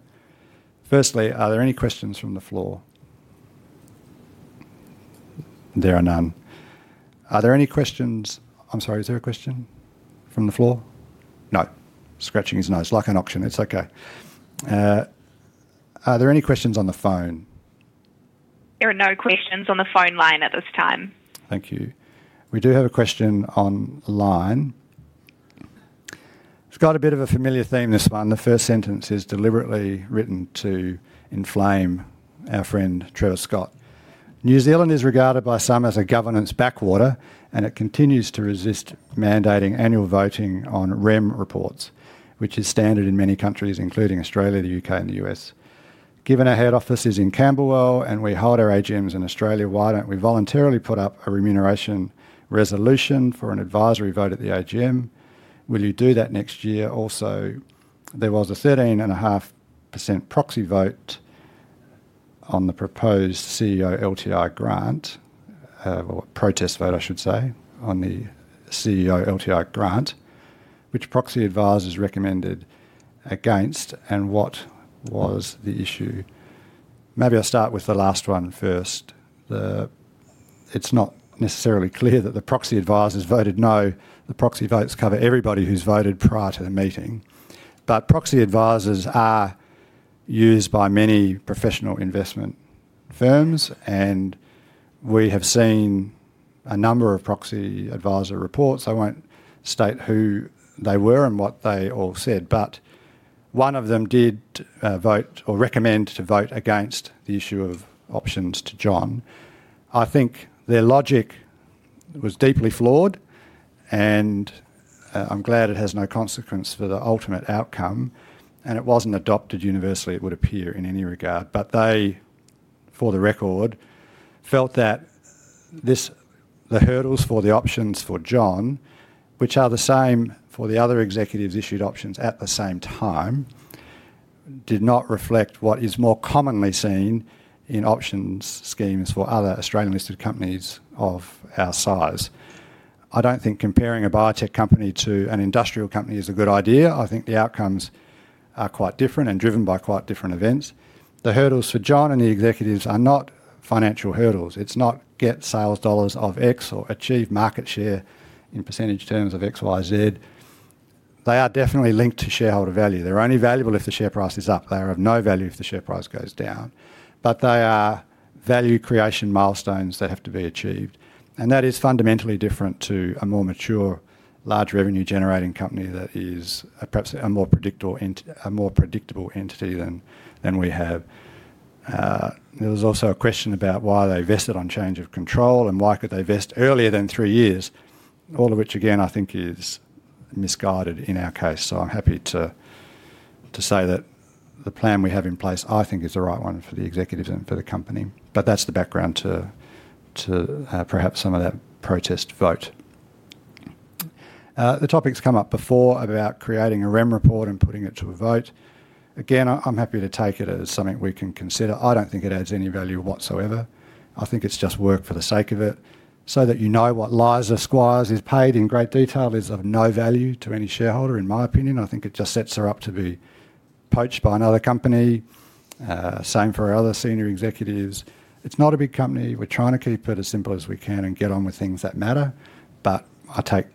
Firstly, are there any questions from the floor? There are none. Are there any questions? I'm sorry, is there a question from the floor? No. Scratching is no. It's like an auction. It's okay. Are there any questions on the phone? There are no questions on the phone line at this time. Thank you. We do have a question online. It's got a bit of a familiar theme, this one. The first sentence is deliberately written to inflame our friend Trevor Scott. New Zealand is regarded by some as a governance backwater. It continues to resist mandating annual voting on REM reports, which is standard in many countries, including Australia, the U.K., and the U.S. Given our head office is in Camberwell and we hold our AGMs in Australia, why don't we voluntarily put up a remuneration resolution for an advisory vote at the AGM? Will you do that next year? There was a 13.5% proxy vote on the proposed CEO LTI grant, or protest vote, I should say, on the CEO LTI grant, which proxy advisors recommended against. What was the issue? Maybe I'll start with the last one first. It's not necessarily clear that the proxy advisors voted no. The proxy votes cover everybody who's voted prior to the meeting. Proxy advisors are used by many professional investment firms, and we have seen a number of proxy advisor reports. I won't state who they were and what they all said, but one of them did vote or recommend to vote against the issue of options to Jon. I think their logic was deeply flawed, and I'm glad it has no consequence for the ultimate outcome, and it wasn't adopted universally, it would appear, in any regard. They, for the record, felt that the hurdles for the options for Jon, which are the same for the other executives issued options at the same time, did not reflect what is more commonly seen in options schemes for other Australian-listed companies of our size. I don't think comparing a biotech company to an industrial company is a good idea. I think the outcomes are quite different and driven by quite different events. The hurdles for Jon and the executives are not financial hurdles. It's not get sales dollars of X or achieve market share in percentage terms of XYZ. They are definitely linked to shareholder value. They're only valuable if the share price is up. They are of no value if the share price goes down. They are value creation milestones that have to be achieved, and that is fundamentally different to a more mature, large revenue-generating company that is perhaps a more predictable entity than we have. There was also a question about why they vested on change of control, and why could they vest earlier than three years? All of which, again, I think is misguided in our case. I'm happy to say that the plan we have in place, I think is the right one for the executives and for the company. That's the background to perhaps some of that protest vote. The topic's come up before about creating a REM report and putting it to a vote. I'm happy to take it as something we can consider. I don't think it adds any value whatsoever. I think it's just work for the sake of it, so that you know what Liza Squires is paid in great detail is of no value to any shareholder, in my opinion. I think it just sets her up to be poached by another company. Same for our other senior executives. It's not a big company. We're trying to keep it as simple as we can and get on with things that matter. I take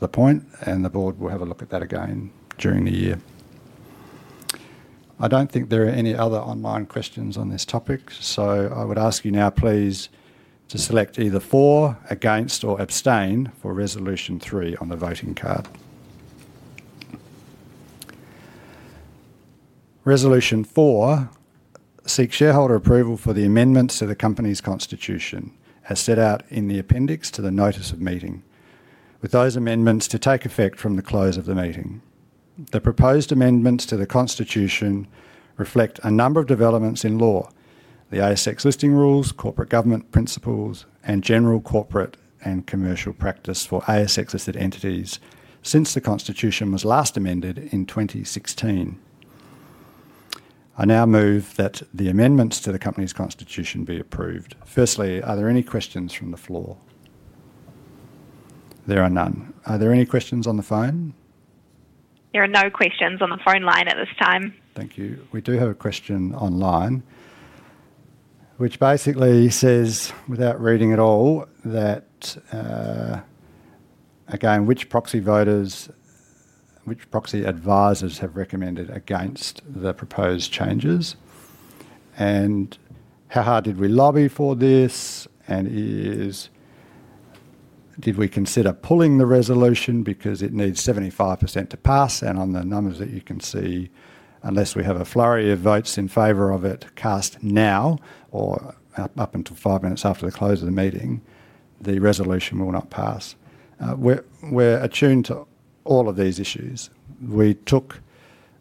the point, and the Board will have a look at that again during the year. I don't think there are any other online questions on this topic. I would ask you now, please, to select either For, Against, or Abstain for Resolution 3 on the voting card. Resolution 4 seeks shareholder approval for the amendments to the company's constitution, as set out in the appendix to the Notice of Meeting, with those amendments to take effect from the close of the meeting. The proposed amendments to the constitution reflect a number of developments in law, the ASX listing rules, corporate governance principles, and general corporate and commercial practice for ASX-listed entities since the constitution was last amended in 2016. I now move that the amendments to the company's constitution be approved. Firstly, are there any questions from the floor? There are none. Are there any questions on the phone? There are no questions on the phone line at this time. Thank you. We do have a question online, which basically says, without reading it all, that, again, which proxy advisors have recommended against the proposed changes, and how hard did we lobby for this? Did we consider pulling the resolution because it needs 75% to pass? On the numbers that you can see, unless we have a flurry of votes in favor of it cast now or up until five minutes after the close of the meeting, the resolution will not pass. We're attuned to all of these issues. We took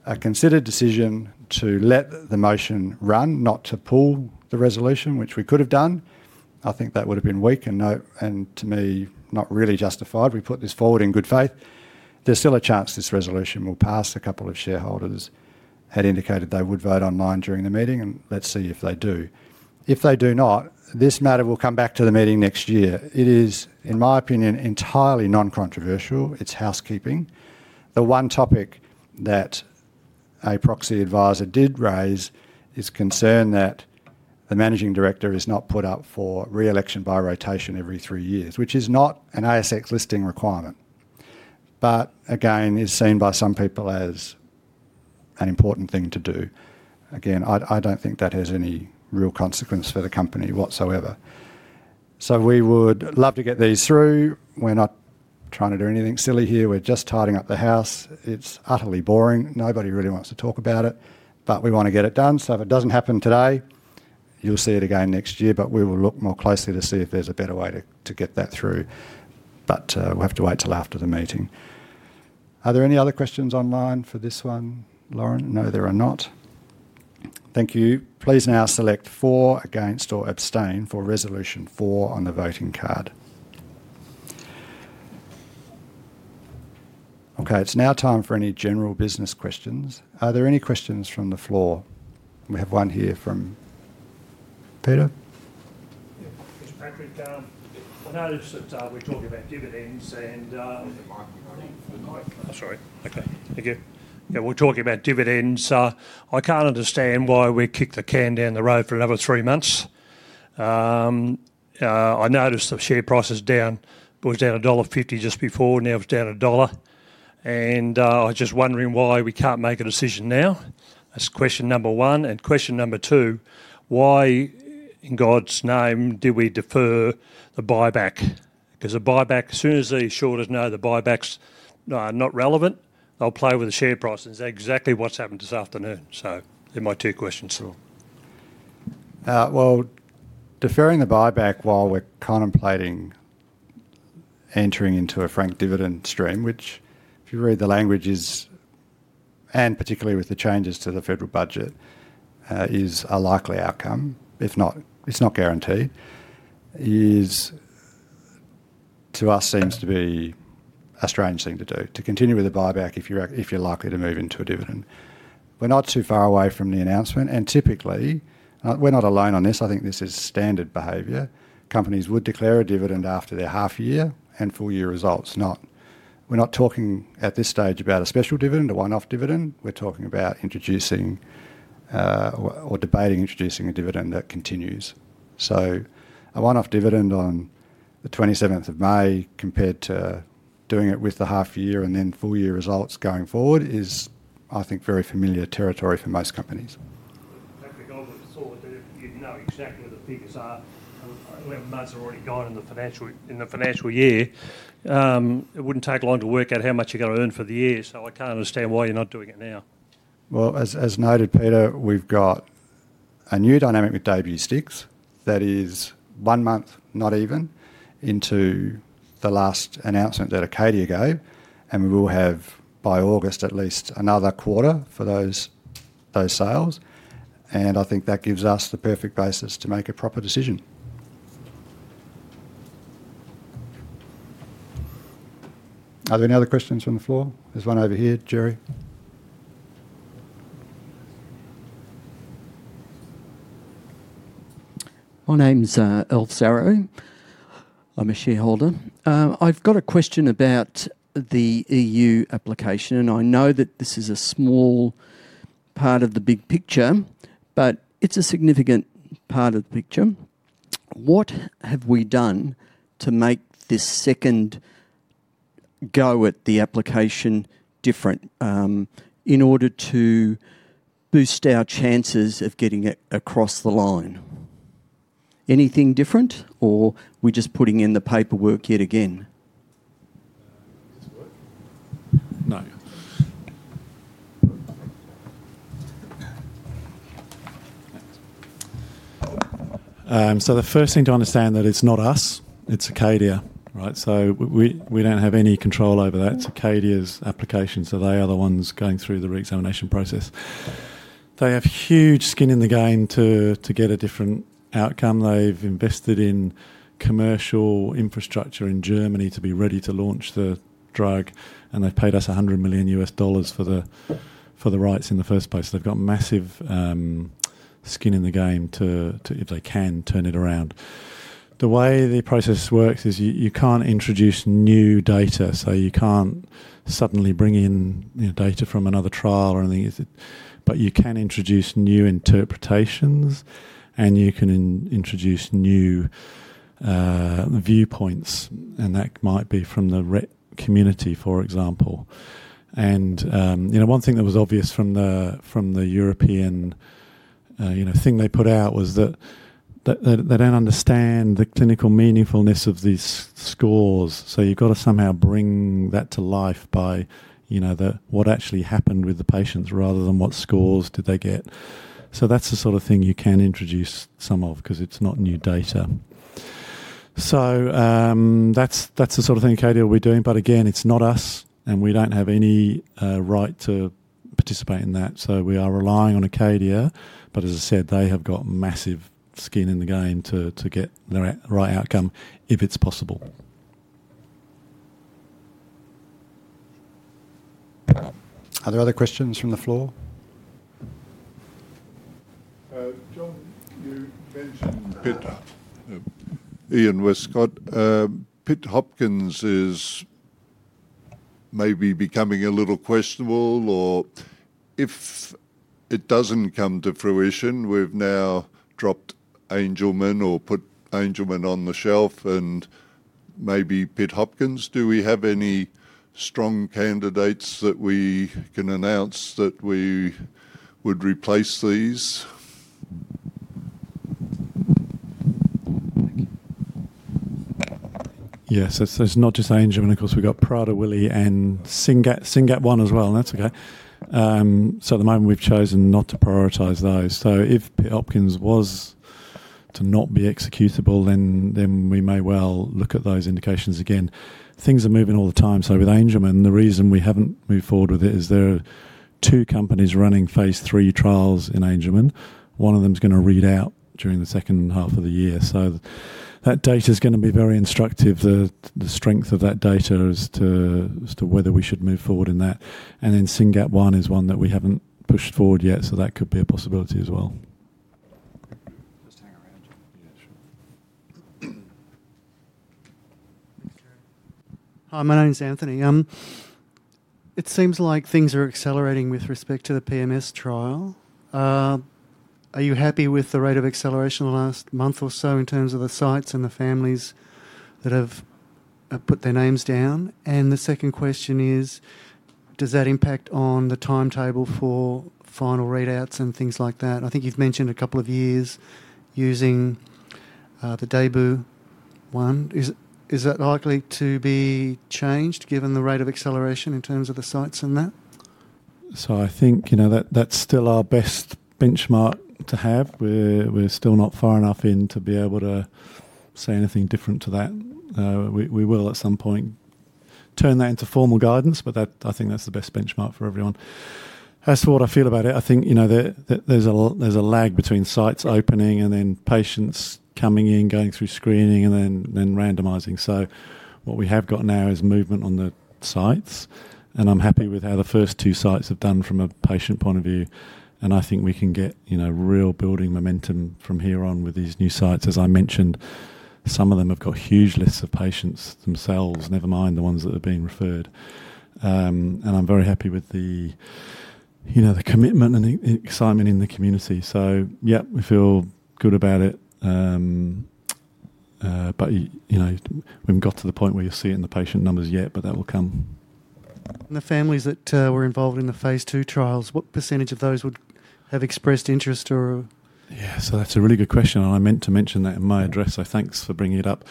a considered decision to let the motion run, not to pull the resolution, which we could have done. I think that would have been weak and to me, not really justified. We put this forward in good faith. There's still a chance this resolution will pass. A couple of shareholders had indicated they would vote online during the meeting, and let's see if they do. If they do not, this matter will come back to the meeting next year. It is, in my opinion, entirely non-controversial. It's housekeeping. The one topic that a proxy advisor did raise is concern that the Managing Director is not put up for re-election by rotation every three years. Which is not an ASX listing requirement. Again, is seen by some people as an important thing to do. Again, I don't think that has any real consequence for the company whatsoever. We would love to get these through. We're not trying to do anything silly here. We're just tidying up the house. It's utterly boring. Nobody really wants to talk about it, but we want to get it done. If it doesn't happen today, you'll see it again next year, but we will look more closely to see if there's a better way to get that through. We'll have to wait till after the meeting. Are there any other questions online for this one, Lauren? No, there are not. Thank you. Please now select for, against, or abstain for Resolution 4 on the voting card. It's now time for any general business questions. Are there any questions from the floor? We have one here from [Peter]. Yeah. Thanks, Patrick. I notice that we're talking about dividends and? Use the mic. You're not in the mic. Oh, sorry. Okay. Thank you. Yeah, we're talking about dividends. I can't understand why we kicked the can down the road for another three months. I noticed the share price is down. Well, it was down dollar 1.50 just before, now it's down AUD 1. I was just wondering why we can't make a decision now? That's question number one. Question number two, why in God's name did we defer the buyback? As soon as these shorters know the buybacks are not relevant, they'll play with the share price, and that's exactly what's happened this afternoon? They're my two questions to all. Well, deferring the buyback while we're contemplating entering into a franked dividend stream, which if you read the language is, and particularly with the changes to the federal budget, is a likely outcome, it's not guaranteed, is to us seems to be a strange thing to do. To continue with the buyback if you're likely to move into a dividend. We're not too far away from the announcement, and typically, we're not alone on this, I think this is standard behavior. Companies would declare a dividend after their half year and full year results. We're not talking at this stage about a special dividend, a one-off dividend. We're talking about introducing, or debating introducing a dividend that continues. A one-off dividend on the 27th of May compared to doing it with the half year and then full year results going forward is, I think, very familiar territory for most companies. Patrick, I would have thought that if you'd know exactly where the figures are, 11 months are already gone in the financial year. It wouldn't take long to work out how much you're going to earn for the year, so I can't understand why you're not doing it now? As noted, Peter, we've got a new dynamic with DAYBUE STIX that is one month, not even, into the last announcement that Acadia gave, and we will have by August at least another quarter for those sales. I think that gives us the perfect basis to make a proper decision. Are there any other questions from the floor? There's one over here, Gerry. My name's [Alf Sarrow]. I'm a Shareholder. I've got a question about the E.U. application, and I know that this is a small part of the big picture, but it's a significant part of the picture. What have we done to make this second go at the application different, in order to boost our chances of getting it across the line? Anything different, or are we just putting in the paperwork yet again? No. Thanks. The first thing to understand that it's not us, it's Acadia. We don't have any control over that. It's Acadia's application, so they are the ones going through the re-examination process. They have huge skin in the game to get a different outcome. They've invested in commercial infrastructure in Germany to be ready to launch the drug, and they've paid us $100 million for the rights in the first place. They've got massive skin in the game to, if they can, turn it around. The way the process works is you can't introduce new data. You can't suddenly bring in data from another trial or anything. You can introduce new interpretations, and you can introduce new viewpoints, and that might be from the Rett community, for example. One thing that was obvious from the European thing they put out was that they don't understand the clinical meaningfulness of these scores. You've got to somehow bring that to life by what actually happened with the patients rather than what scores did they get. That's the sort of thing you can introduce some of because it's not new data. That's the sort of thing Acadia will be doing. Again, it's not us, and we don't have any right to participate in that. We are relying on Acadia. As I said, they have got massive skin in the game to get the right outcome if it's possible. Are there other questions from the floor? Jon, you mentioned Pitt. [Ian Wescott]. Pitt Hopkins is maybe becoming a little questionable. If it doesn't come to fruition, we've now dropped Angelman or put Angelman on the shelf and maybe Pitt Hopkins. Do we have any strong candidates that we can announce that we would replace these? Yes. It's not just Angelman. Of course, we've got Prader-Willi and SYNGAP1 as well, and that's okay. At the moment, we've chosen not to prioritize those. If Pitt-Hopkins was to not be executable, we may well look at those indications again. Things are moving all the time. With Angelman, the reason we haven't moved forward with it is there are two companies running phase III trials in Angelman. One of them is going to read out during the second half of the year. That data's going to be very instructive, the strength of that data as to whether we should move forward in that. SYNGAP1 is one that we haven't pushed forward yet, so that could be a possibility as well. Hi, my name's [Anthony]. It seems like things are accelerating with respect to the PMS trial. Are you happy with the rate of acceleration in the last month or so in terms of the sites and the families that have put their names down? The second question is, does that impact on the timetable for final readouts and things like that? I think you've mentioned a couple of years using the DAYBUE one. Is that likely to be changed given the rate of acceleration in terms of the sites and that? I think that's still our best benchmark to have. We're still not far enough in to be able to say anything different to that. We will, at some point, turn that into formal guidance, but I think that's the best benchmark for everyone. As for what I feel about it, I think there's a lag between sites opening and then patients coming in, going through screening, and then randomizing. What we have got now is movement on the sites, and I'm happy with how the first two sites have done from a patient point of view, and I think we can get real building momentum from here on with these new sites. As I mentioned, some of them have got huge lists of patients themselves, never mind the ones that are being referred. And I'm very happy with the commitment and excitement in the community. Yeah, we feel good about it. We haven't got to the point where you're seeing the patient numbers yet, but that will come. The families that were involved in the phase II trials, what percentage of those have expressed interest? Yeah. That's a really good question, and I meant to mention that in my address, thanks for bringing it up.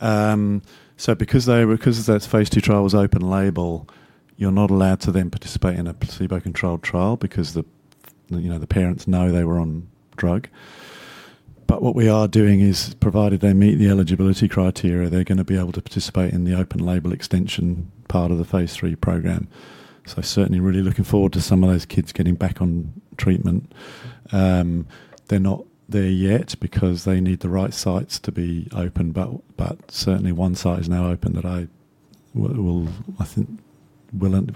Because that phase II trial was open label, you're not allowed to then participate in a placebo-controlled trial because the parents know they were on drug. What we are doing is, provided they meet the eligibility criteria, they're going to be able to participate in the open-label extension part of the phase III program. Certainly really looking forward to some of those kids getting back on treatment. They're not there yet because they need the right sites to be open, but certainly one site is now open that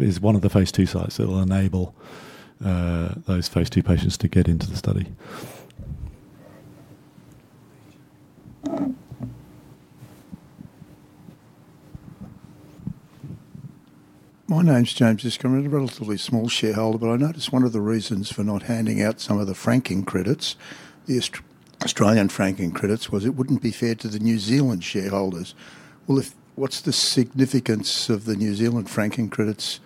is one of the phase II sites that will enable those phase II patients to get into the study. My name's [James Isgrim]. I'm a relatively small Shareholder, but I noticed one of the reasons for not handing out some of the franking credits, the Australian franking credits, was it wouldn't be fair to the New Zealand shareholders. Well, what's the significance of the New Zealand franking credits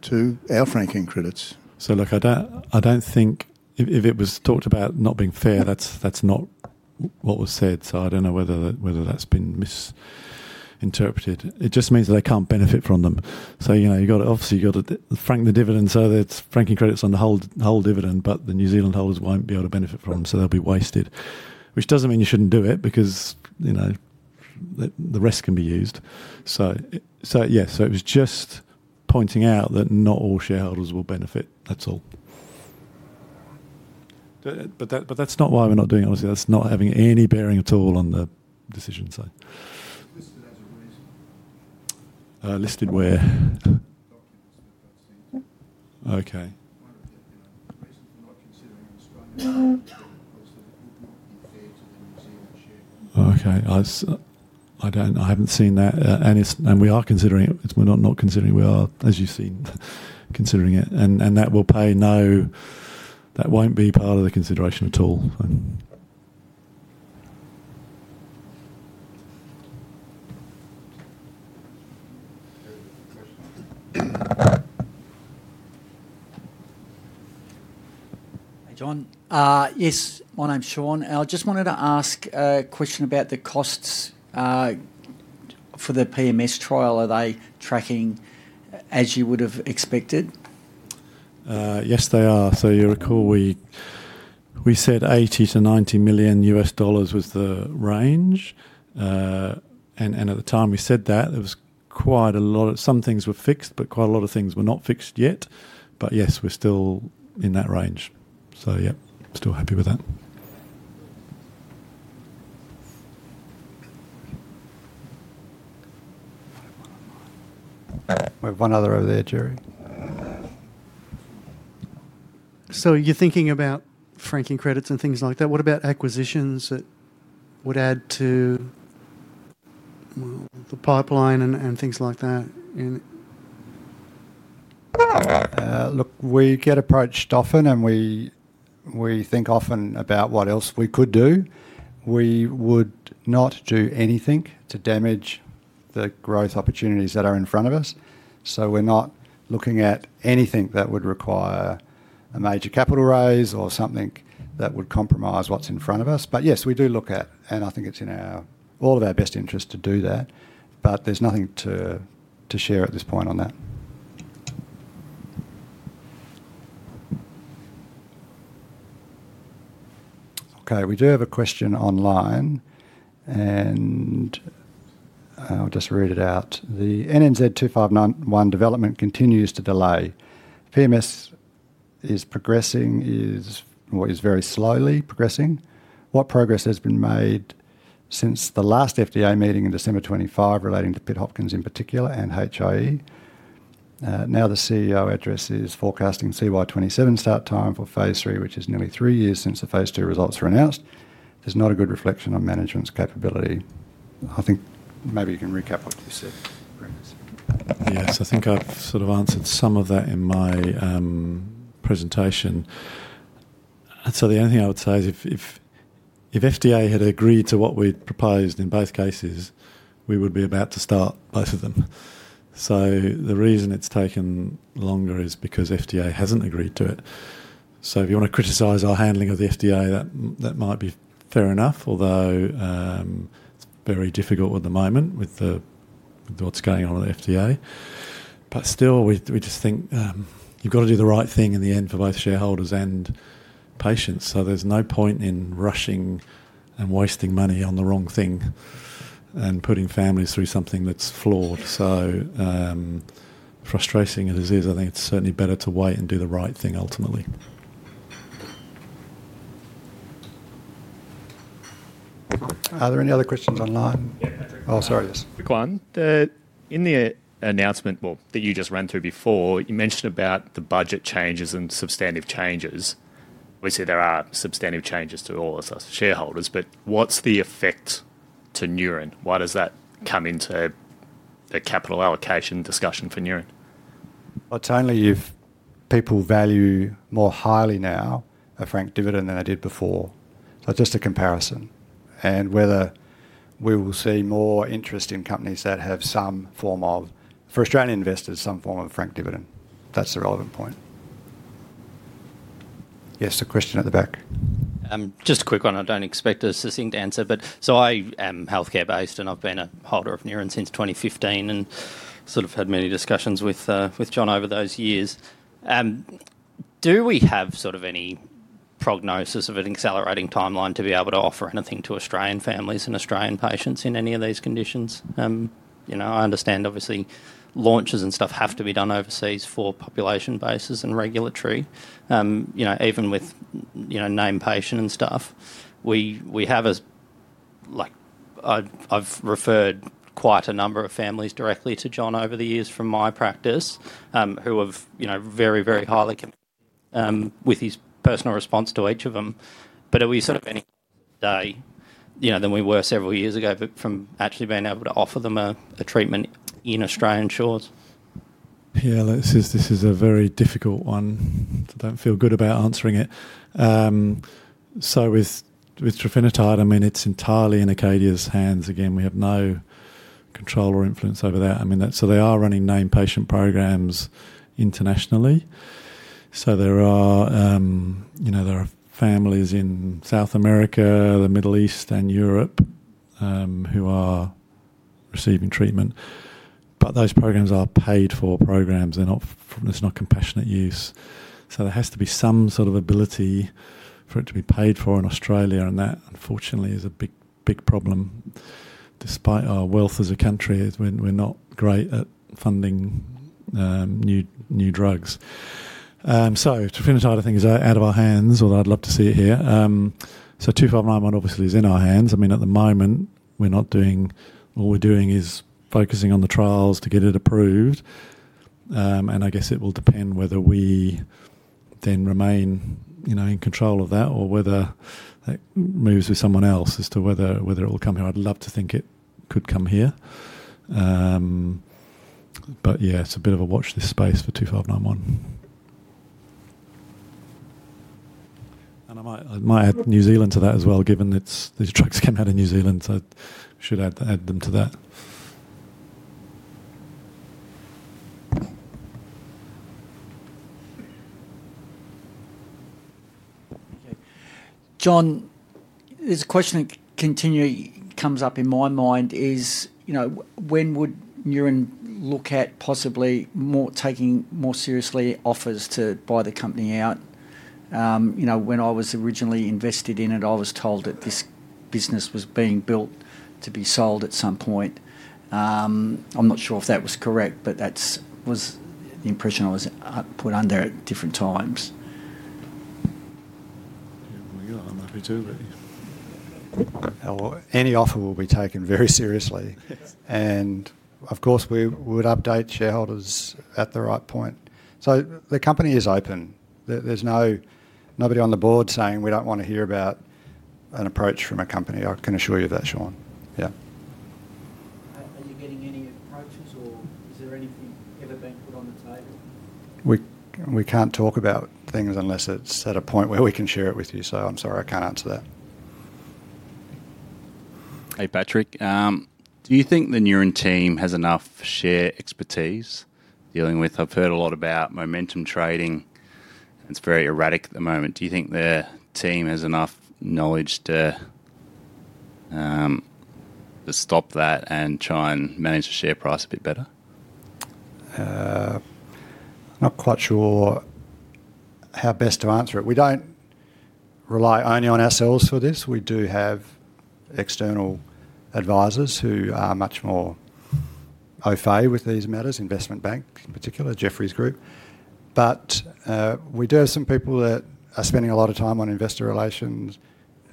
to our franking credits? Look, I don't think if it was talked about not being fair, that's not what was said. I don't know whether that's been misinterpreted. It just means they can't benefit from them. Obviously you've got to frank the dividend, so there's franking credits on the whole dividend, but the New Zealand holders won't be able to benefit from them, so they'll be wasted. Which doesn't mean you shouldn't do it, because the rest can be used. Yes. It was just pointing out that not all shareholders will benefit. That's all. That's not why we're not doing it, obviously. That's not having any bearing at all on the decision. It's listed as a reason. Listed where? In the documents that got sent. Okay. One of the reasons for not considering Australian was that it wouldn't be fair to the New Zealand shareholders. Okay. I haven't seen that. We are considering it. We're not considering. We are, as you've seen, considering it. That won't be part of the consideration at all. Hey, Jon. Yes. My name's [Sean]. I just wanted to ask a question about the costs for the PMS trial. Are they tracking as you would have expected? Yes, they are. You recall we said $80 million-$90 million was the range. At the time we said that, some things were fixed, but quite a lot of things were not fixed yet. Yes, we're still in that range. Yeah, still happy with that. We have one online. We have one other over there, Gerry. You're thinking about franking credits and things like that. What about acquisitions that would add to the pipeline and things like that? We get approached often, and we think often about what else we could do. We would not do anything to damage the growth opportunities that are in front of us. We're not looking at anything that would require a major capital raise or something that would compromise what's in front of us. Yes, we do look at, and I think it's in all of our best interests to do that, but there's nothing to share at this point on that. We do have a question online, and I'll just read it out. The NNZ-2591 development continues to delay. PMS is very slowly progressing. What progress has been made since the last FDA meeting in December 25 relating to Pitt-Hopkins syndrome in particular, and HIE? The CEO address is forecasting CY 2027 start time for phase III, which is nearly three years since the phase II results were announced. This is not a good reflection on management's capability. I think maybe you can recap what you said previously. Yes, I think I've sort of answered some of that in my presentation. The only thing I would say is if FDA had agreed to what we'd proposed in both cases, we would be about to start both of them. The reason it's taken longer is because FDA hasn't agreed to it. If you want to criticize our handling of the FDA, that might be fair enough, although it's very difficult at the moment with what's going on at the FDA. Still, we just think you've got to do the right thing in the end for both shareholders and patients. There's no point in rushing and wasting money on the wrong thing and putting families through something that's flawed. Frustrating as it is, I think it's certainly better to wait and do the right thing ultimately. Are there any other questions online? Yeah, Patrick. Oh, sorry. Yes. Quick one. In the announcement, well, that you just ran through before, you mentioned about the budget changes and substantive changes. Obviously, there are substantive changes to all us as shareholders, but what's the effect to Neuren? Why does that come into a capital allocation discussion for Neuren? Well, it's only if people value more highly now a frank dividend than they did before. Just a comparison, whether we will see more interest in companies that have, for Australian investors, some form of frank dividend. That's the relevant point. Yes, the question at the back. Just a quick one. I don't expect a succinct answer. I am healthcare-based, and I've been a holder of Neuren since 2015 and sort of had many discussions with Jon over those years. Do we have sort of any prognosis of an accelerating timeline to be able to offer anything to Australian families and Australian patients in any of these conditions? I understand obviously launches and stuff have to be done overseas for population bases and regulatory. Even with named patient and stuff. I've referred quite a number of families directly to Jon over the years from my practice, who have very, very highly with his personal response to each of them. Are we sort of any than we were several years ago from actually being able to offer them a treatment in Australian shores? Yeah, this is a very difficult one. I don't feel good about answering it. With trofinetide, it's entirely in Acadia's hands. Again, we have no control or influence over that. They are running named patient programs internationally. There are families in South America, the Middle East, and Europe who are receiving treatment. Those programs are paid-for programs. It's not compassionate use. There has to be some sort of ability for it to be paid for in Australia, and that, unfortunately, is a big problem despite our wealth as a country, is we're not great at funding new drugs. Trofinetide I think is out of our hands, although I'd love to see it here. NNZ-2591 obviously is in our hands. At the moment, all we're doing is focusing on the trials to get it approved. I guess it will depend whether we then remain in control of that or whether that moves with someone else as to whether it will come here. I'd love to think it could come here. Yeah, it's a bit of a watch this space for NNZ-2591. I might add New Zealand to that as well, given these drugs came out of New Zealand, so I should add them to that. Jon, there's a question that continually comes up in my mind is, when would Neuren look at possibly taking more seriously offers to buy the company out? When I was originally invested in it, I was told that this business was being built to be sold at some point. I'm not sure if that was correct, but that was the impression I was put under at different times? Yeah, well, I'm happy to, but. Any offer will be taken very seriously. Yes. Of course, we would update shareholders at the right point. The company is open. There's nobody on the Board saying, we don't want to hear about an approach from a company. I can assure you of that, Sean. Yeah. Are you getting any approaches, or is there anything ever been put on the table? We can't talk about things unless it's at a point where we can share it with you, so I'm sorry, I can't answer that. Hey, Patrick. Do you think the Neuren team has enough share expertise dealing with I've heard a lot about momentum trading, and it's very erratic at the moment. Do you think their team has enough knowledge to stop that and try and manage the share price a bit better? Not quite sure how best to answer it. We don't rely only on ourselves for this. We do have external advisors who are much more au fait with these matters, investment bank in particular, Jefferies Group. We do have some people that are spending a lot of time on investor relations.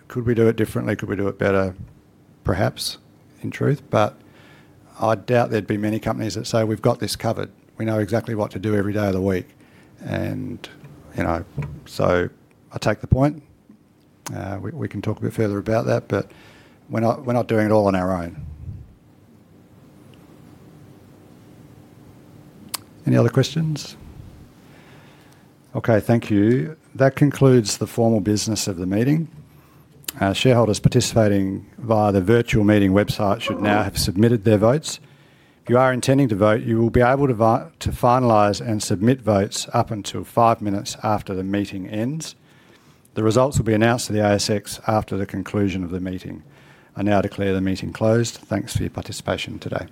Could we do it differently? Could we do it better? Perhaps, in truth. I doubt there'd be many companies that say, we've got this covered. We know exactly what to do every day of the week. I take the point. We can talk a bit further about that, but we're not doing it all on our own. Any other questions? Okay, thank you. That concludes the formal business of the meeting. Our shareholders participating via the virtual meeting website should now have submitted their votes. If you are intending to vote, you will be able to finalize and submit votes up until five minutes after the meeting ends. The results will be announced to the ASX after the conclusion of the meeting. I now declare the meeting closed. Thanks for your participation today.